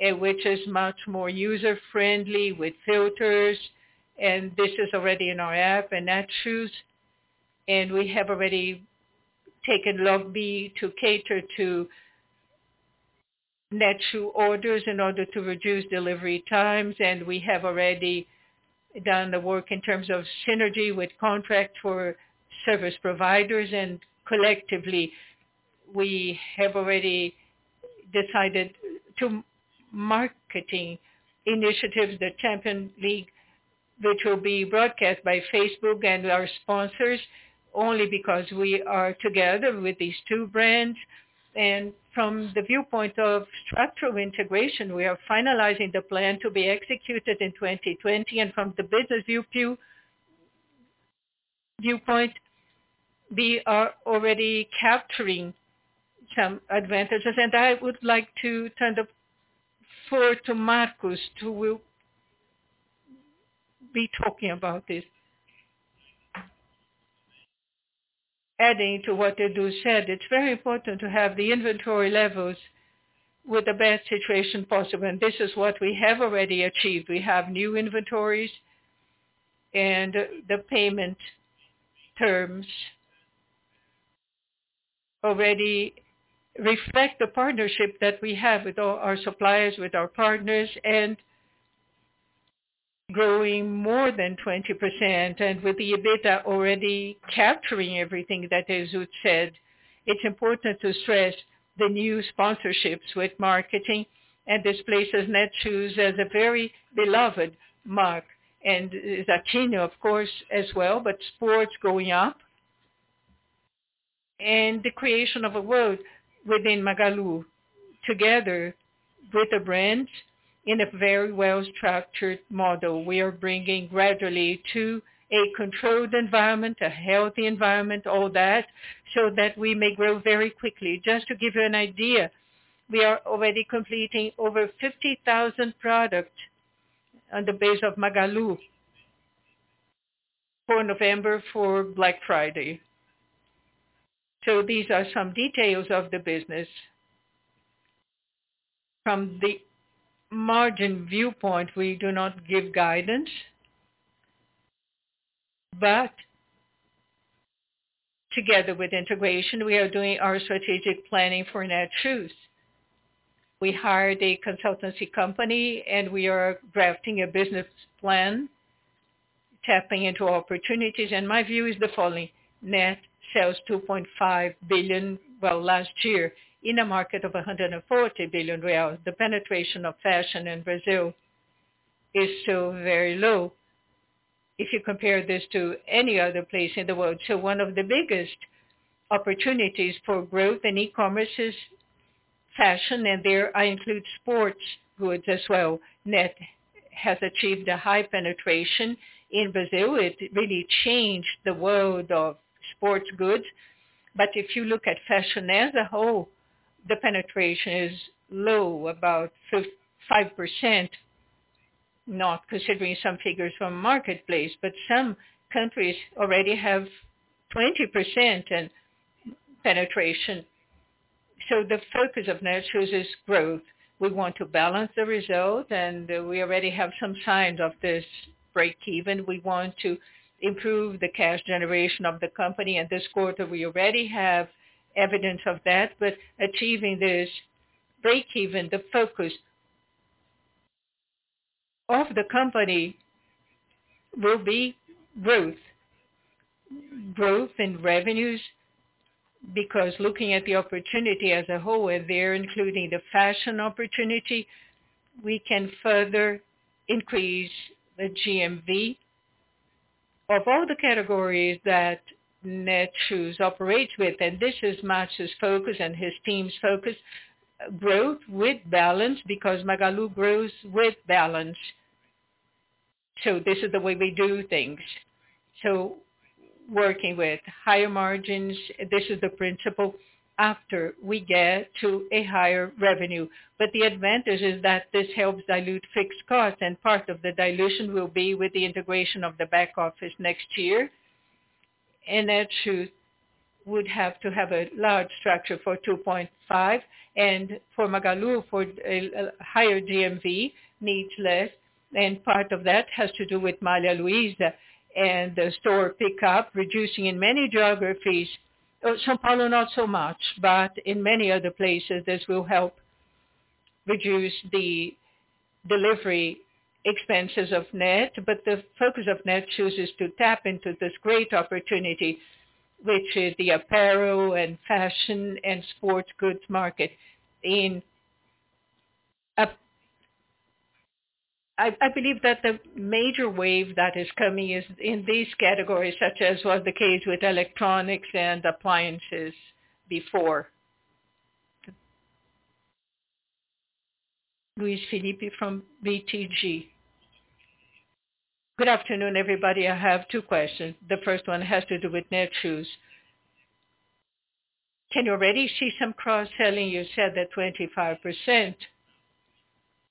which is much more user-friendly with filters, and this is already in our app and Netshoes. We have already taken LogBee to cater to Netshoes orders in order to reduce delivery times. We have already done the work in terms of synergy with contract for service providers. Collectively, we have already decided to marketing initiatives, the Champions League, which will be broadcast by Facebook and our sponsors only because we are together with these two brands. From the viewpoint of structural integration, we are finalizing the plan to be executed in 2020. From the business viewpoint, we are already capturing some advantages. I would like to turn the floor to [Marcus], who will be talking about this. Adding to what Edu said, it's very important to have the inventory levels with the best situation possible. This is what we have already achieved. We have new inventories, and the payment terms already reflect the partnership that we have with all our suppliers, with our partners, and growing more than 20%. With the EBITDA already capturing everything that Edu said, it's important to stress the new sponsorships with marketing. This places Netshoes as a very beloved mark. Zattini, of course, as well, but sports growing up. The creation of a world within Magalu, together with the brands in a very well-structured model. We are bringing gradually to a controlled environment, a healthy environment, all that, so that we may grow very quickly. Just to give you an idea, we are already completing over 50,000 products on the base of Magalu for November for Black Friday. These are some details of the business. From the margin viewpoint, we do not give guidance. Together with integration, we are doing our strategic planning for Netshoes. We hired a consultancy company, and we are drafting a business plan, tapping into opportunities. My view is the following: Net sells 2.5 billion, well, last year in a market of 140 billion real. The penetration of fashion in Brazil is still very low if you compare this to any other place in the world. One of the biggest opportunities for growth in e-commerce is fashion, and there I include sports goods as well. Net has achieved a high penetration in Brazil. It really changed the world of sports goods. If you look at fashion as a whole, the penetration is low, about 5%, not considering some figures from Marketplace, some countries already have 20% in penetration. The focus of Netshoes is growth. We want to balance the result, and we already have some signs of this break even. We want to improve the cash generation of the company. This quarter, we already have evidence of that. Achieving this break even, the focus of the company will be growth. Growth in revenues, because looking at the opportunity as a whole, where there, including the fashion opportunity, we can further increase the GMV of all the categories that Netshoes operates with. This is Marcio's focus and his team's focus. Growth with balance because Magalu grows with balance. This is the way we do things. Working with higher margins, this is the principle after we get to a higher revenue. The advantage is that this helps dilute fixed cost, and part of the dilution will be with the integration of the back office next year. Netshoes would have to have a large structure for 2.5 billion, and for Magalu, for a higher GMV needs less. Part of that has to do with Magazine Luiza and the store pickup reducing in many geographies. São Paulo, not so much, but in many other places, this will help reduce the delivery expenses of Net. The focus of Netshoes is to tap into this great opportunity, which is the apparel and fashion and sports goods market. I believe that the major wave that is coming is in these categories, such as was the case with electronics and appliances before. Luiz Felipe from BTG. Good afternoon, everybody. I have two questions. The first one has to do with Netshoes. Can you already see some cross-selling? You said that 25%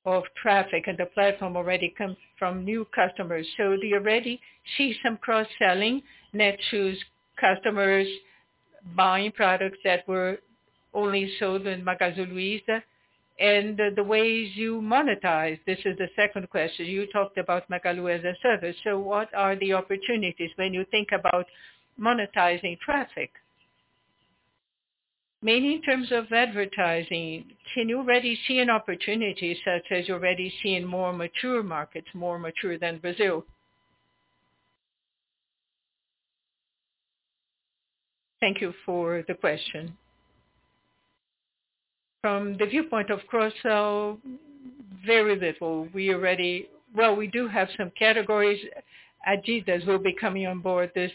of traffic in the platform already comes from new customers. Do you already see some cross-selling, Netshoes customers buying products that were only sold in Magazine Luiza? The ways you monetize. This is the second question. You talked about Magalu as a Service. What are the opportunities when you think about monetizing traffic? Mainly in terms of advertising. Can you already see an opportunity such as you already see in more mature markets, more mature than Brazil? Thank you for the question. From the viewpoint of cross-sell, very little. Well, we do have some categories. Adidas will be coming on board this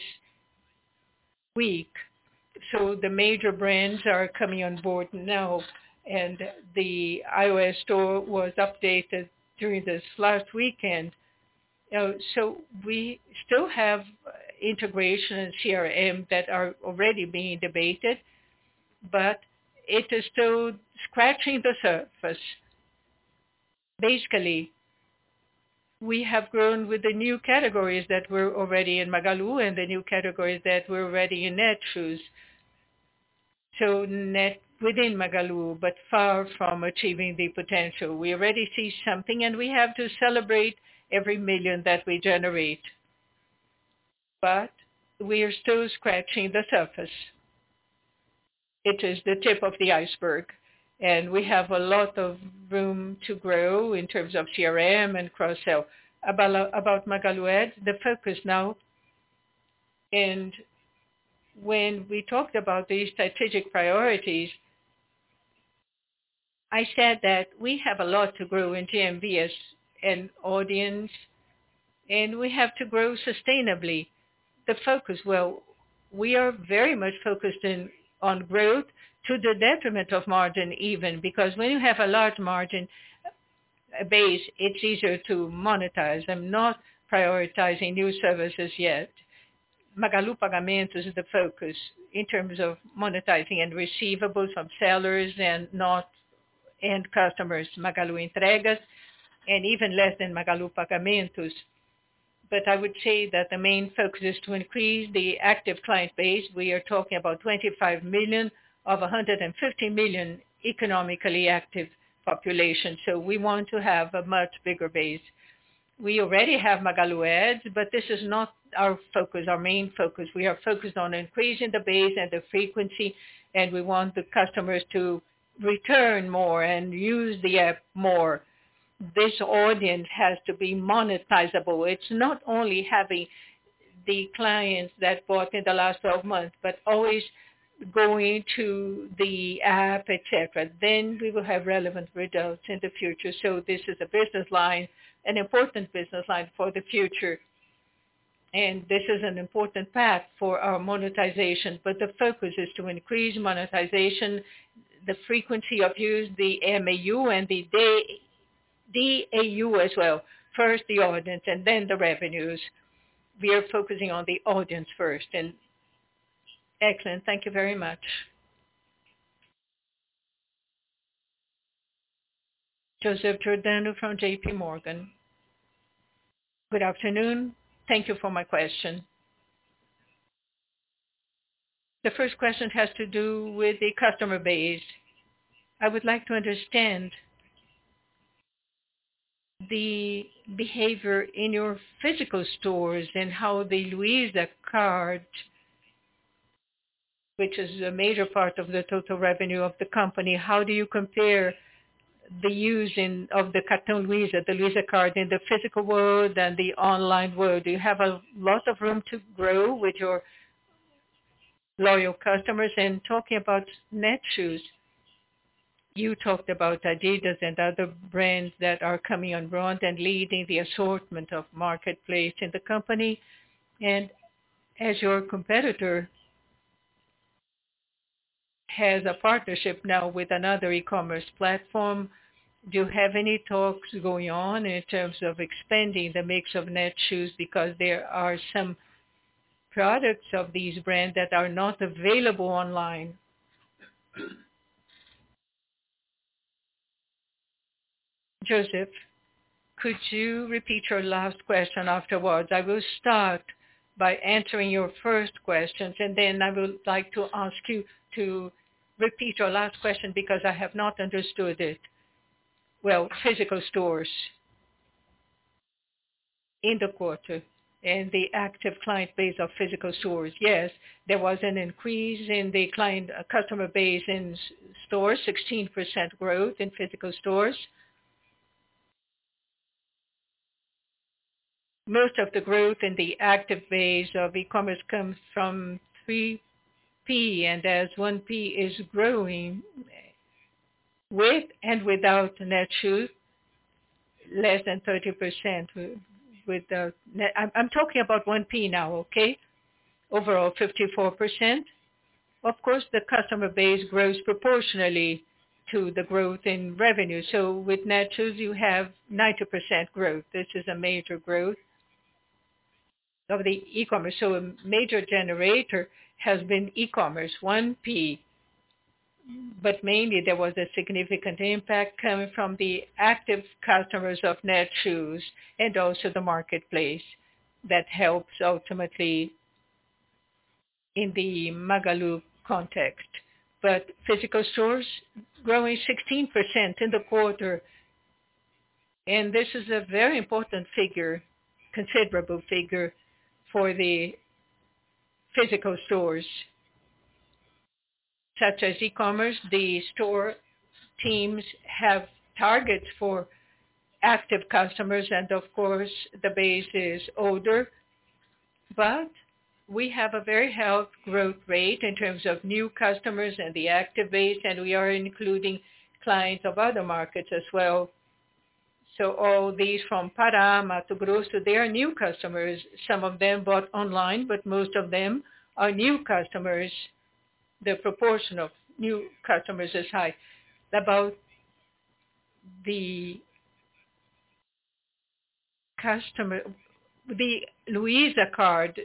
week. The major brands are coming on board now, and the iOS store was updated during this last weekend. We still have integration and CRM that are already being debated, but it is still scratching the surface. Basically, we have grown with the new categories that were already in Magalu and the new categories that were already in Netshoes. Within Magalu, but far from achieving the potential. We already see something, and we have to celebrate every million that we generate. We are still scratching the surface. It is the tip of the iceberg, and we have a lot of room to grow in terms of CRM and cross-sell. About Magalu Ads, the purpose now, and when we talked about these strategic priorities, I said that we have a lot to grow in GMV as an audience, and we have to grow sustainably. The focus, well, we are very much focused in on growth to the detriment of margin even, because when you have a large margin base, it's easier to monetize. I'm not prioritizing new services yet. Magalu Pagamentos is the focus in terms of monetizing and receivables from sellers and not end customers. Magalu Entregas, even less than Magalu Pagamentos. I would say that the main focus is to increase the active client base. We are talking about 25 million of 150 million economically active population. We want to have a much bigger base. We already have Magalu Ads, this is not our main focus. We are focused on increasing the base and the frequency, we want the customers to return more and use the app more. This audience has to be monetizable. It's not only having the clients that bought in the last 12 months, but always going to the app, et cetera. We will have relevant results in the future. This is an important business line for the future. This is an important path for our monetization. The focus is to increase monetization, the frequency of use, the MAU, and the DAU as well. First the audience, then the revenues. We are focusing on the audience first. Excellent. Thank you very much. Joseph Giordano from JPMorgan. Good afternoon. Thank you for taking my question. The first question has to do with the customer base. I would like to understand the behavior in your physical stores and how the Luiza card, which is a major part of the total revenue of the company, how do you compare the use of the Cartão Luiza, the Luiza card in the physical world and the online world? Do you have a lot of room to grow with your loyal customers? Talking about Netshoes, you talked about Adidas and other brands that are coming on board and leading the assortment of marketplace in the company. As your competitor has a partnership now with another e-commerce platform, do you have any talks going on in terms of expanding the mix of Netshoes? Because there are some products of these brands that are not available online. Joseph, could you repeat your last question afterwards? I will start by answering your first questions, then I would like to ask you to repeat your last question because I have not understood it well. Physical stores. In the quarter. In the active client base of physical stores. Yes, there was an increase in the customer base in stores, 16% growth in physical stores. Most of the growth in the active base of e-commerce comes from 3P, and as 1P is growing, with and without Netshoes, less than 30%. I'm talking about 1P now, okay? Overall, 54%. Of course, the customer base grows proportionally to the growth in revenue. With Netshoes, you have 90% growth. This is a major growth of the e-commerce. A major generator has been e-commerce, 1P. Mainly, there was a significant impact coming from the active customers of Netshoes and also the marketplace that helps ultimately in the Magalu context. Physical stores growing 16% in the quarter, and this is a very important figure, considerable figure for the physical stores. Such as e-commerce. The store teams have targets for active customers, and of course, the base is older. We have a very healthy growth rate in terms of new customers and the active base, and we are including clients of other markets as well. All these from Pará, Mato Grosso, they are new customers. Some of them bought online, but most of them are new customers. The proportion of new customers is high. About the Luiza card,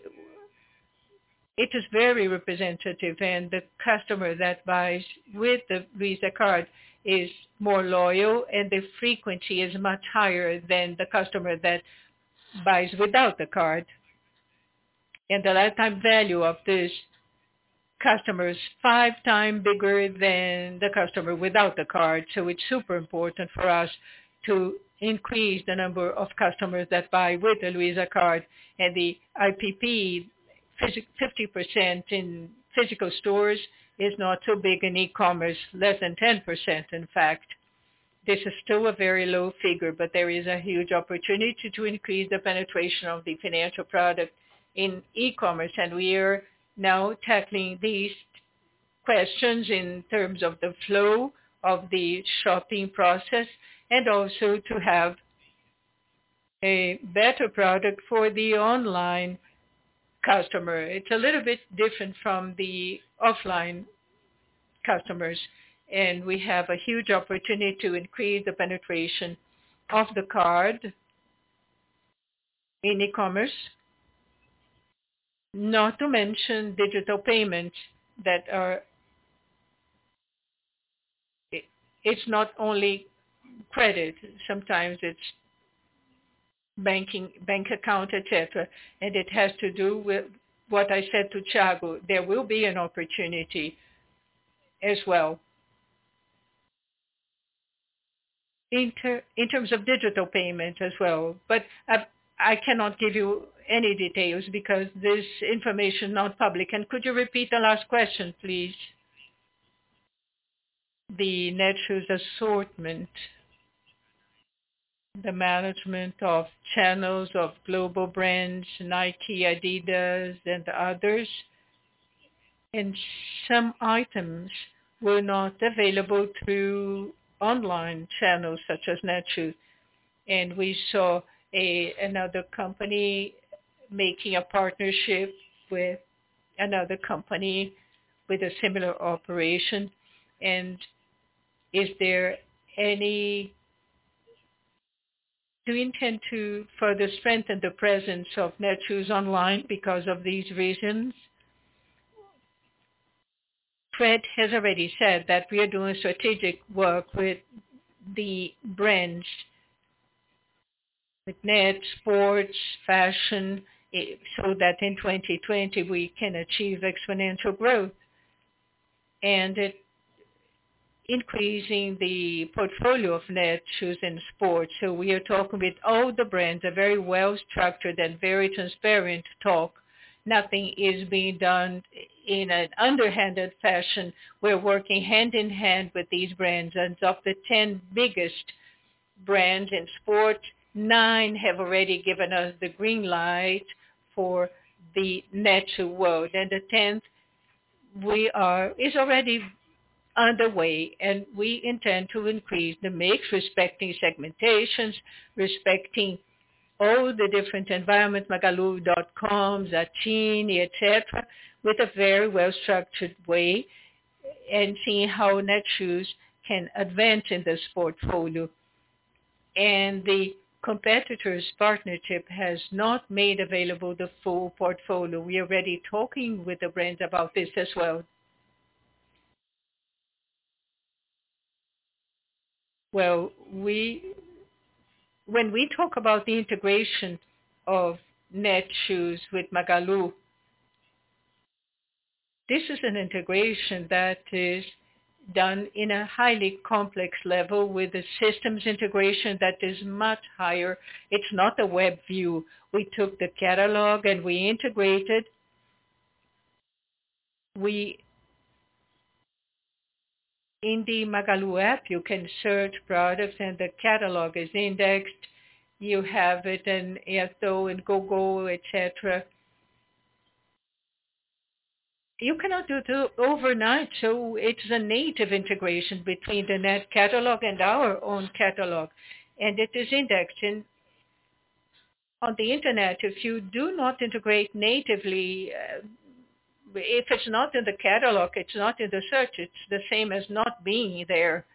it is very representative. The customer that buys with the Luiza card is more loyal, and the frequency is much higher than the customer that buys without the card. The lifetime value of this customer is five times bigger than the customer without the card. It's super important for us to increase the number of customers that buy with the Luiza card. The IPP, 50% in physical stores is not so big. In e-commerce, less than 10%, in fact. This is still a very low figure, but there is a huge opportunity to increase the penetration of the financial product in e-commerce. We are now tackling these questions in terms of the flow of the shopping process and also to have a better product for the online customer. It's a little bit different from the offline customers, and we have a huge opportunity to increase the penetration of the card in e-commerce. Not to mention digital payments. It's not only credit. Sometimes it's bank account, et cetera. It has to do with what I said to Thiago. There will be an opportunity as well. In terms of digital payment as well. I cannot give you any details because this information is not public. Could you repeat the last question, please? The Netshoes assortment. The management of channels of global brands, Nike, Adidas, and others. Some items were not available through online channels such as Netshoes. We saw another company making a partnership with another company with a similar operation. Do you intend to further strengthen the presence of Netshoes online because of these reasons? Fred has already said that we are doing strategic work with the brands, with Net, sports, fashion, so that in 2020, we can achieve exponential growth. Increasing the portfolio of Netshoes in sports. We are talking with all the brands, a very well-structured and very transparent talk. Nothing is being done in an underhanded fashion. We're working hand in hand with these brands. Of the 10 biggest brands in sports, nine have already given us the green light for the Netshoes world. The 10th is already underway, and we intend to increase the mix, respecting segmentations, respecting all the different environments, magalu.com, Zattini, et cetera, with a very well-structured way and seeing how Netshoes can advance in this portfolio. The competitor's partnership has not made available the full portfolio. We are already talking with the brands about this as well. Well, when we talk about the integration of Netshoes with Magalu, this is an integration that is done in a highly complex level with a systems integration that is much higher. It's not a web view. We took the catalog, we integrated. In the Magalu App, you can search products and the catalog is indexed. You have it in SEO, in Google, et cetera. You cannot do two overnight, it's a native integration between the Net catalog and our own catalog, and it is indexed. On the Internet, if you do not integrate natively, if it's not in the catalog, it's not in the search, it's the same as not being there.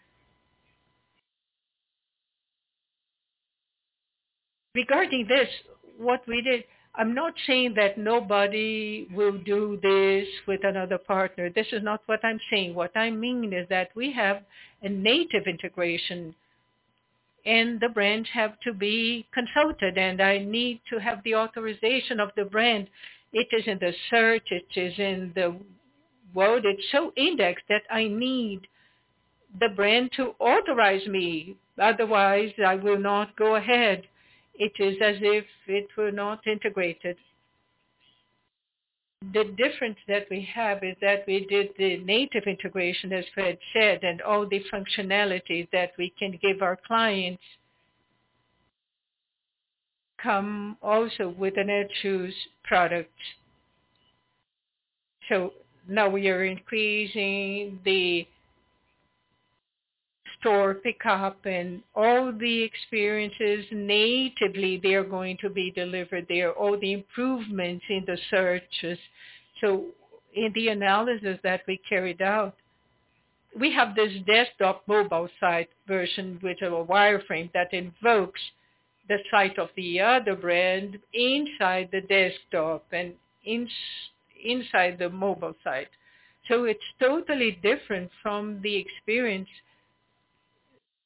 Regarding this, what we did, I'm not saying that nobody will do this with another partner. This is not what I'm saying. What I mean is that we have a native integration, and the brand have to be consulted, and I need to have the authorization of the brand. It is in the search, it is in the world. It's so indexed that I need the brand to authorize me. Otherwise, I will not go ahead. It is as if it were not integrated. The difference that we have is that we did the native integration, as Fred said, and all the functionalities that we can give our clients come also with an Netshoes product. Now we are increasing the store pickup and all the experiences. Natively, they're going to be delivered there, all the improvements in the searches. In the analysis that we carried out, we have this desktop mobile site version with a wireframe that invokes the site of the other brand inside the desktop and inside the mobile site. It's totally different from the experience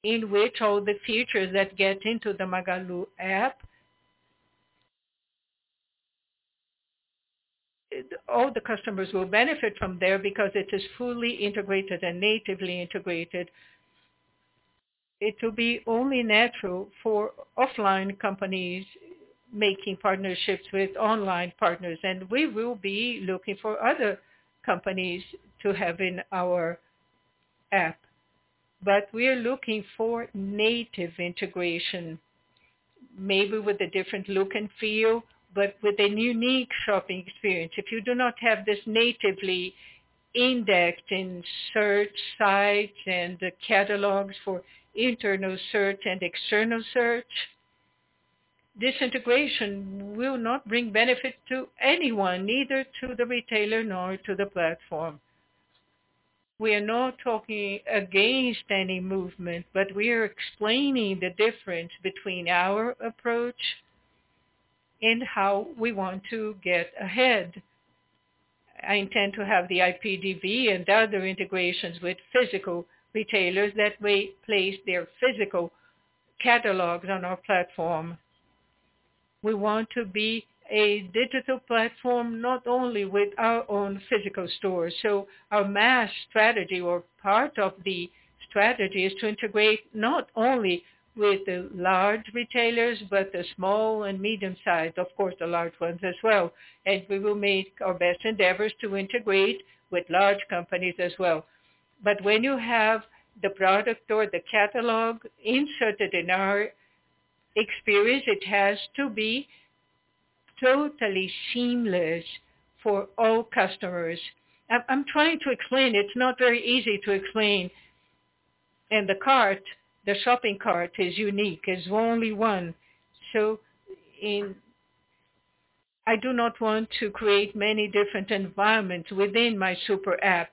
in which all the features that get into the Magalu App. All the customers will benefit from there because it is fully integrated and natively integrated. It will be only natural for offline companies making partnerships with online partners, and we will be looking for other companies to have in our app. We are looking for native integration, maybe with a different look and feel, but with a unique shopping experience. If you do not have this natively indexed in search sites and the catalogs for internal search and external search, this integration will not bring benefit to anyone, neither to the retailer nor to the platform. We are not talking against any movement, but we are explaining the difference between our approach and how we want to get ahead. I intend to have the iPDV and other integrations with physical retailers that may place their physical catalogs on our platform. We want to be a digital platform, not only with our own physical stores. Our MaaS strategy or part of the strategy is to integrate not only with the large retailers, but the small and medium size, of course, the large ones as well, and we will make our best endeavors to integrate with large companies as well. When you have the product or the catalog inserted in our experience, it has to be totally seamless for all customers. I'm trying to explain. It's not very easy to explain. The cart, the shopping cart is unique, is only one. I do not want to create many different environments within my SuperApp.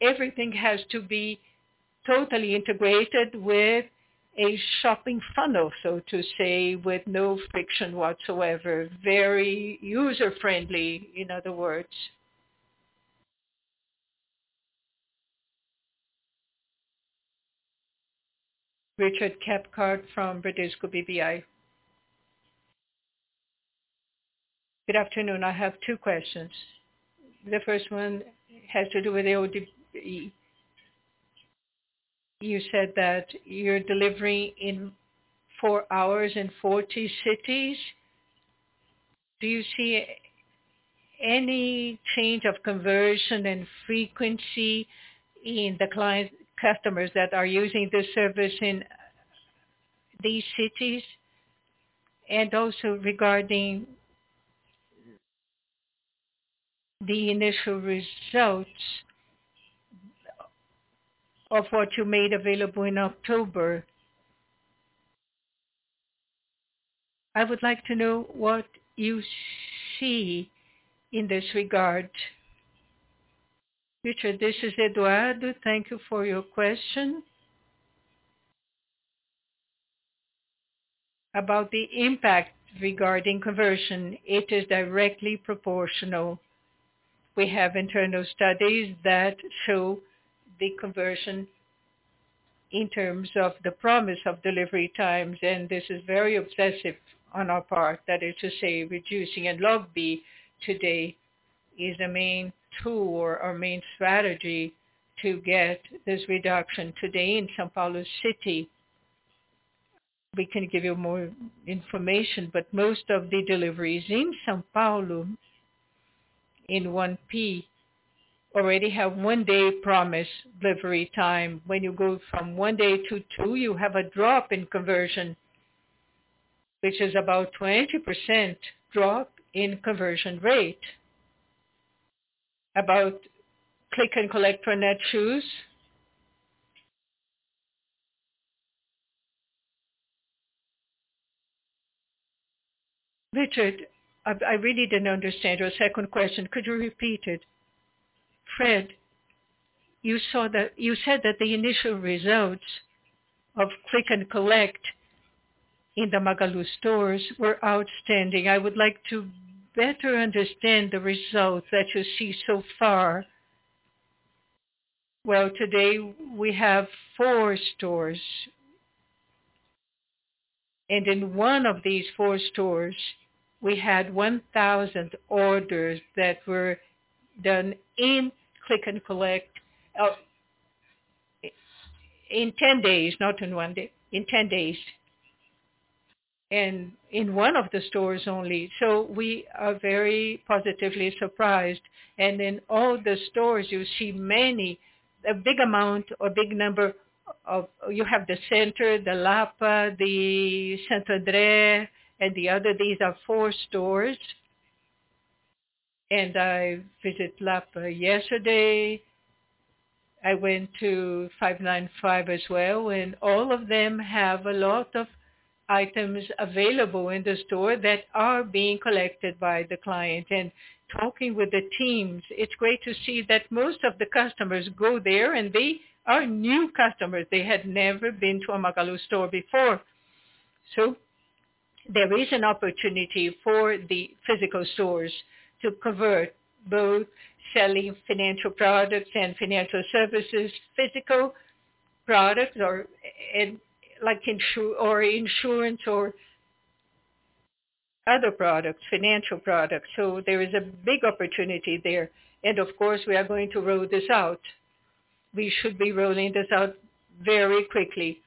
Everything has to be totally integrated with a shopping funnel, so to say, with no friction whatsoever. Very user-friendly, in other words. Richard Cathcart from Bradesco BBI. Good afternoon. I have two questions. The first one has to do with. <audio distortion> You said that you're delivering in four hours in 40 cities. Do you see any change of conversion and frequency in the customers that are using this service in these cities? Also regarding the initial results of what you made available in October. I would like to know what you see in this regard. Richard, this is Eduardo. Thank you for your question. About the impact regarding conversion, it is directly proportional. We have internal studies that show the conversion in terms of the promise of delivery times. This is very obsessive on our part. That is to say, reducing at LogBee today is the main tool or main strategy to get this reduction. Today in São Paulo City, we can give you more information, but most of the deliveries in São Paulo, in 1P, already have one-day promise delivery time. When you go from one day to two, you have a drop in conversion, which is about 20% drop in conversion rate. About Click and Collect for Netshoes. Richard, I really didn't understand your second question. Could you repeat it? Frederico, you said that the initial results of Click and Collect in the Magalu stores were outstanding. I would like to better understand the results that you see so far. Well, today we have four stores. In one of these four stores, we had 1,000 orders that were done in Click and Collect. In 10 days, not in one day. In 10 days. In one of the stores only. We are very positively surprised. In all the stores, you see a big amount or big number of. You have the Center, the Lapa, the Santo André, and the other. These are four stores. I visit Lapa yesterday. I went to 595 as well, and all of them have a lot of items available in the store that are being collected by the client. Talking with the teams, it's great to see that most of the customers go there and they are new customers. They had never been to a Magalu store before. There is an opportunity for the physical stores to convert, both selling financial products and financial services, physical products, or insurance or other products, financial products. There is a big opportunity there. Of course, we are going to roll this out. We should be rolling this out very quickly.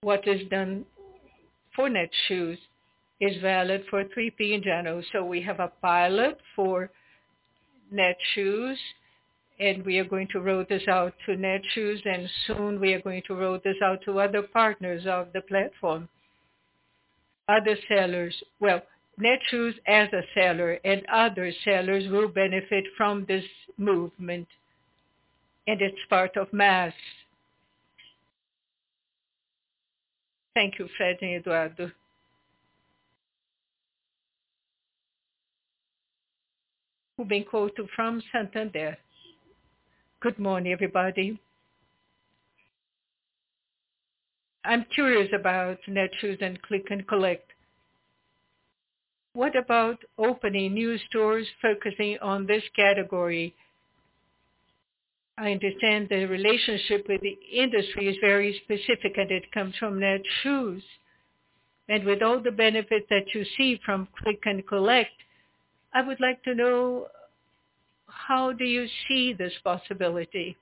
What is done for Netshoes is valid for 3P in general. We have a pilot for Netshoes, we are going to roll this out to Netshoes, soon we are going to roll this out to other partners of the platform. Other sellers. Well, Netshoes as a seller and other sellers will benefit from this movement, and it's part of MaaS. Thank you, Fred and Eduardo. Ruben Couto from Santander. Good morning, everybody. I'm curious about Netshoes and Click and Collect. What about opening new stores focusing on this category? I understand the relationship with the industry is very specific, it comes from Netshoes. With all the benefit that you see from Click and Collect, I would like to know: how do you see this possibility?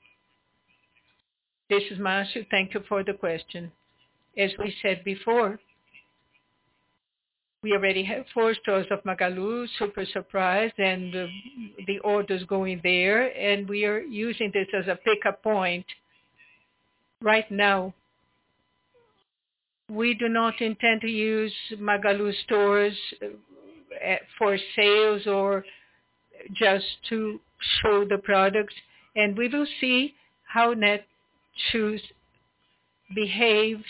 This is Márcio. Thank you for the question. As we said before, we already have four stores of Magalu, super surprised and the orders going there, and we are using this as a pickup point right now. We do not intend to use Magalu stores for sales or just to show the products, and we will see how Netshoes behaves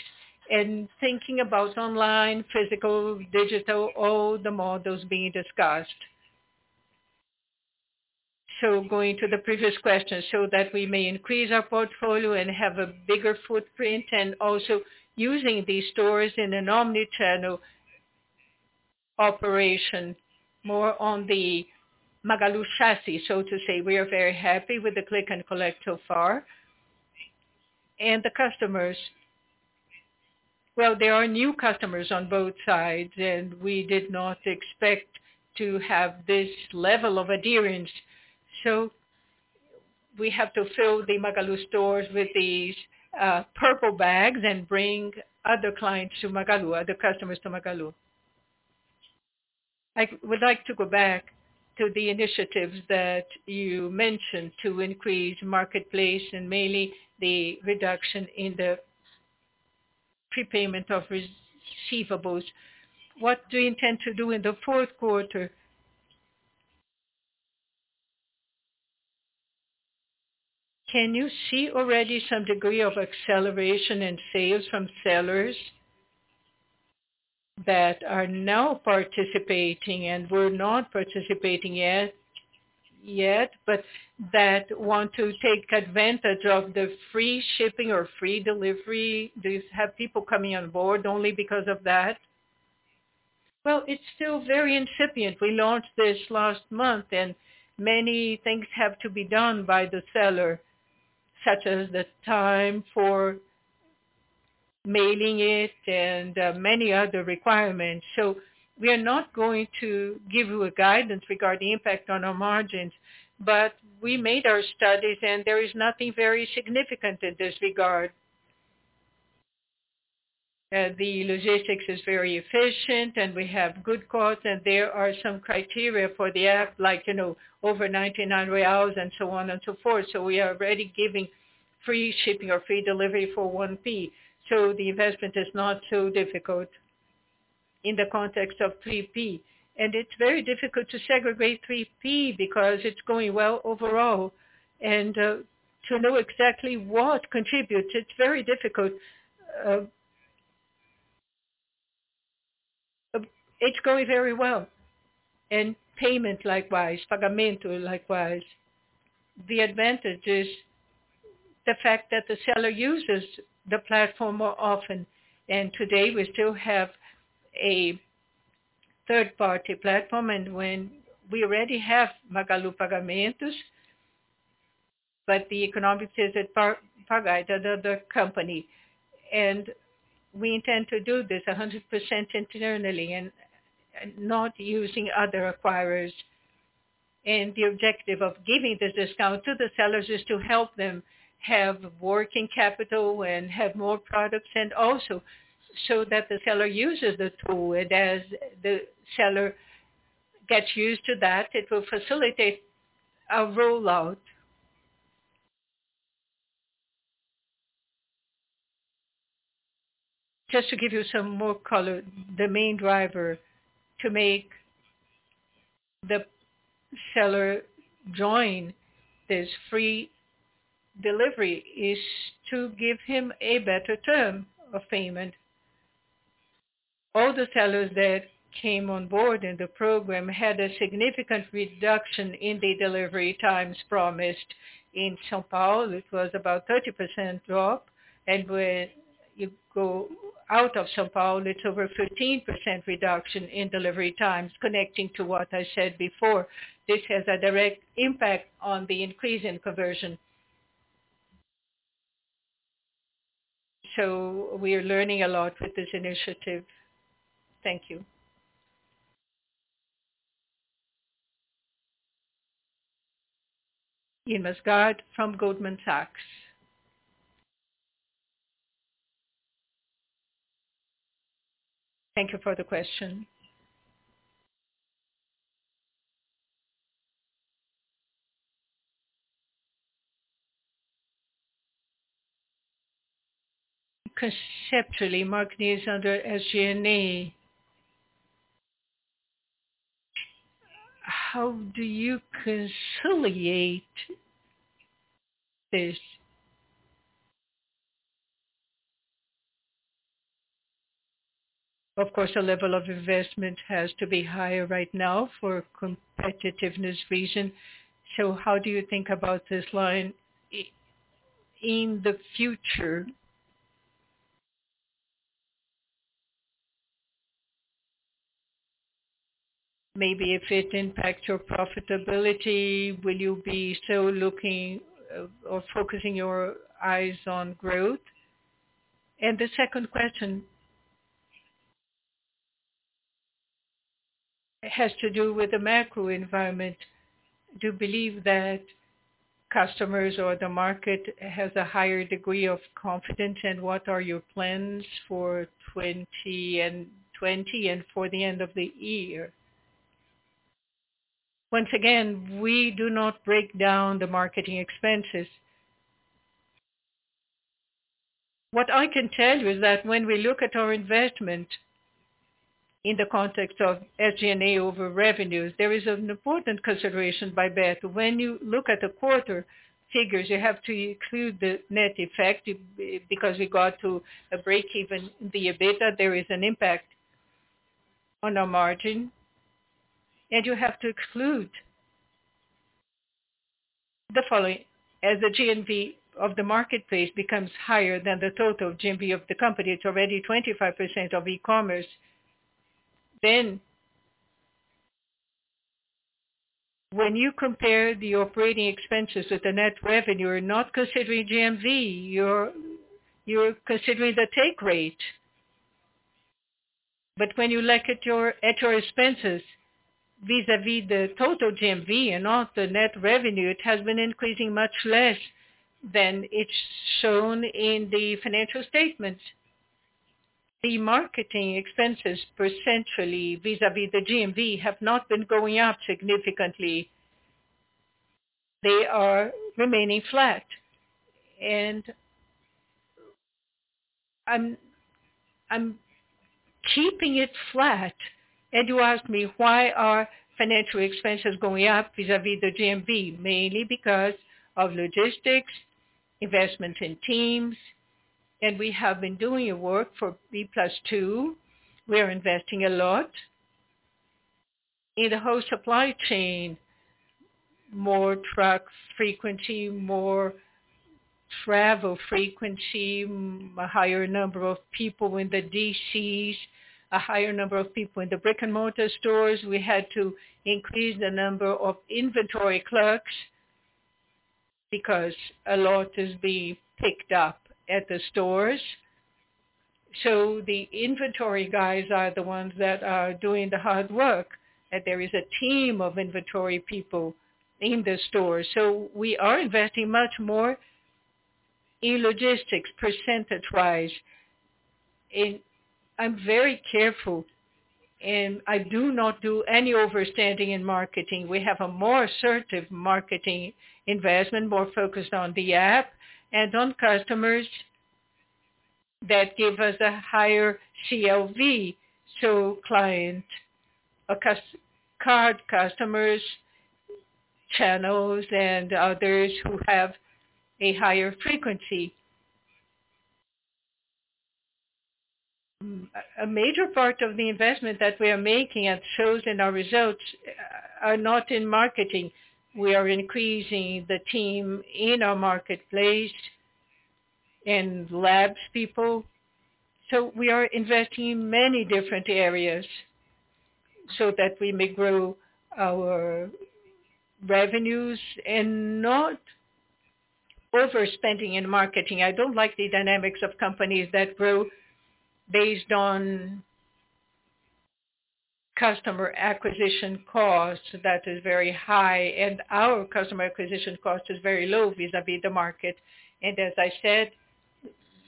and thinking about online, physical, digital, all the models being discussed. Going to the previous question, so that we may increase our portfolio and have a bigger footprint, and also using these stores in an omni-channel operation, more on the Magalu chassis, so to say. We are very happy with the Click and Collect so far. The customers. Well, there are new customers on both sides, and we did not expect to have this level of adherence. We have to fill the Magalu stores with these purple bags and bring other clients to Magalu, other customers to Magalu. I would like to go back to the initiatives that you mentioned to increase marketplace and mainly the reduction in the prepayment of receivables. What do you intend to do in the fourth quarter? Can you see already some degree of acceleration in sales from sellers that are now participating and were not participating yet, but that want to take advantage of the free shipping or free delivery? Do you have people coming on board only because of that? Well, it's still very incipient. We launched this last month, and many things have to be done by the seller, such as the time for mailing it and many other requirements. We are not going to give you a guidance regarding impact on our margins. We made our studies, and there is nothing very significant in this regard. The logistics is very efficient, and we have good quotes, and there are some criteria for the app, like over 99 reais and so on and so forth. We are already giving free shipping or free delivery for 1P. The investment is not so difficult in the context of 3P. It's very difficult to segregate 3P because it's going well overall. To know exactly what contributes, it's very difficult. It's going very well. Payment likewise. Pagamento likewise. The advantage is the fact that the seller uses the platform more often. Today we still have a third-party platform, and when we already have Magalu Pagamentos, but the economics is <audio distortion> the company. We intend to do this 100% internally and not using other acquirers. The objective of giving the discount to the sellers is to help them have working capital and have more products, and also show that the seller uses the tool. As the seller gets used to that, it will facilitate our rollout. Just to give you some more color, the main driver to make the seller join this free delivery is to give him a better term of payment. All the sellers that came on board in the program had a significant reduction in the delivery times promised. In São Paulo, it was about 30% drop, and when you go out of São Paulo, it's over 15% reduction in delivery times. Connecting to what I said before, this has a direct impact on the increase in conversion. We are learning a lot with this initiative. Thank you. Irma Sgarz from Goldman Sachs. Conceptually, marketing is under SG&A. How do you conciliate this? Of course, the level of investment has to be higher right now for competitiveness reason. How do you think about this line in the future? Maybe if it impacts your profitability, will you be still looking or focusing your eyes on growth? The second question. It has to do with the macro environment. Do you believe that customers or the market has a higher degree of confidence? What are your plans for 2020 and for the end of the year? Once again, we do not break down the marketing expenses. What I can tell you is that when we look at our investment in the context of SG&A over revenues, there is an important consideration by Roberto. When you look at the quarter figures, you have to include the net effect because regard to a break-even in the EBITDA, there is an impact on our margin. You have to exclude the following. As the GMV of the marketplace becomes higher than the total GMV of the company, it's already 25% of e-commerce. When you compare the operating expenses with the net revenue, you're not considering GMV, you're considering the take rate. When you look at your expenses vis-à-vis the total GMV and not the net revenue, it has been increasing much less than it's shown in the financial statements. The marketing expenses percentually, vis-à-vis the GMV, have not been going up significantly. They are remaining flat. I'm keeping it flat. You ask me why are financial expenses going up vis-à-vis the GMV? Mainly because of logistics investments in teams. We have been doing work for D+2. We are investing a lot in the whole supply chain, more trucks frequency, more travel frequency, a higher number of people in the DCs, a higher number of people in the brick-and-mortar stores. We had to increase the number of inventory clerks because a lot is being picked up at the stores. The inventory guys are the ones that are doing the hard work. That there is a team of inventory people in the stores. We are investing much more in logistics percentage-wise. I'm very careful, and I do not do any overspending in marketing. We have a more assertive marketing investment, more focused on the app and on customers that give us a higher CLV. Client, card customers, channels, and others who have a higher frequency. A major part of the investment that we are making, and it shows in our results, are not in marketing. We are increasing the team in our marketplace and labs people. We are investing in many different areas, so that we may grow our revenues and not overspending in marketing. I don't like the dynamics of companies that grow based on customer acquisition costs that is very high, and our customer acquisition cost is very low vis-à-vis the market. As I said,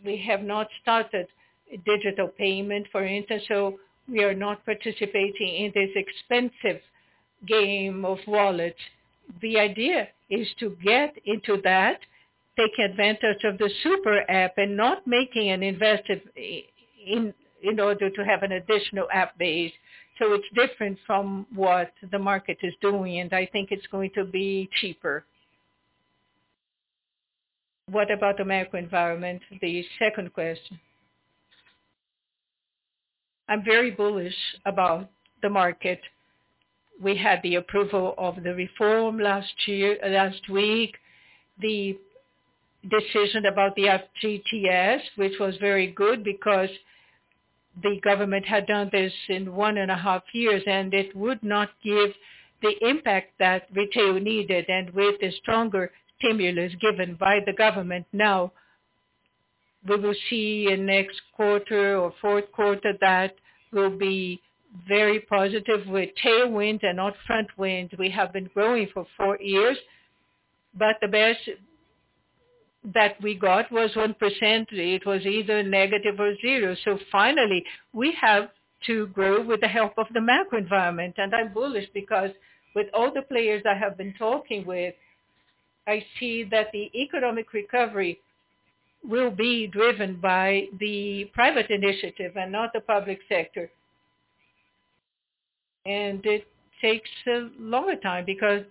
we have not started digital payment, for instance, so we are not participating in this expensive game of wallet. The idea is to get into that, take advantage of the SuperApp, not making an investment in order to have an additional app base. It's different from what the market is doing, and I think it's going to be cheaper. What about the macro environment? The second question. I'm very bullish about the market. We had the approval of the reform last week. The decision about the FGTS, which was very good because the government had done this in one and a half years, and it would not give the impact that retail needed. With the stronger stimulus given by the government now, we will see in next quarter or fourth quarter that will be very positive with tailwind and not frontwind. We have been growing for four years, but the best that we got was 1%. It was either negative or zero. Finally, we have to grow with the help of the macro environment. I'm bullish because with all the players I have been talking with, I see that the economic recovery will be driven by the private initiative and not the public sector. It takes a longer time because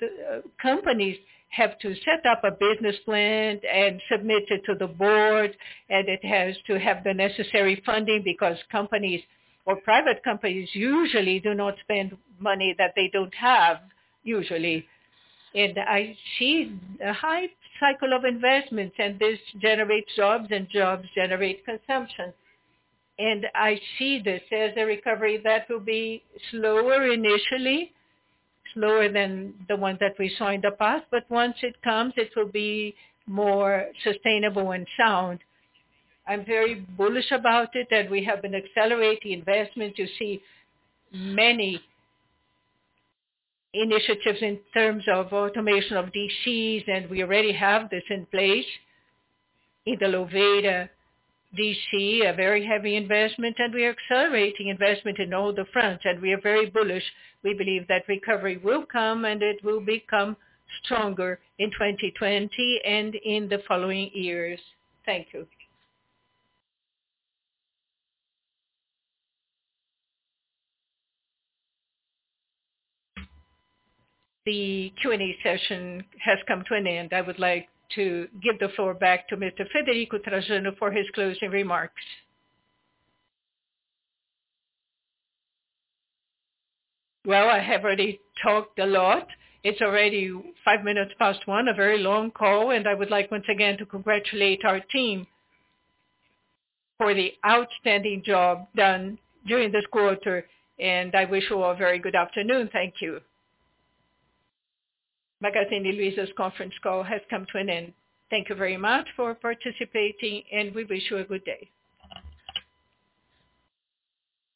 companies have to set up a business plan and submit it to the board, and it has to have the necessary funding because companies or private companies usually do not spend money that they don't have, usually. I see a high cycle of investments, and this generates jobs, and jobs generates consumption. I see this as a recovery that will be slower initially, slower than the ones that we saw in the past. Once it comes, it will be more sustainable and sound. I'm very bullish about it, and we have been accelerating investment to see many initiatives in terms of automation of DCs, and we already have this in place. In the Louveira DC, a very heavy investment, and we are accelerating investment in all the fronts, and we are very bullish. We believe that recovery will come, and it will become stronger in 2020 and in the following years. Thank you. The Q&A session has come to an end. I would like to give the floor back to Mr. Frederico Trajano for his closing remarks. Well, I have already talked a lot. It's already five minutes past 1:00 P.M., a very long call, and I would like once again to congratulate our team for the outstanding job done during this quarter, and I wish you all a very good afternoon. Thank you. Magazine Luiza's conference call has come to an end. Thank you very much for participating, and we wish you a good day.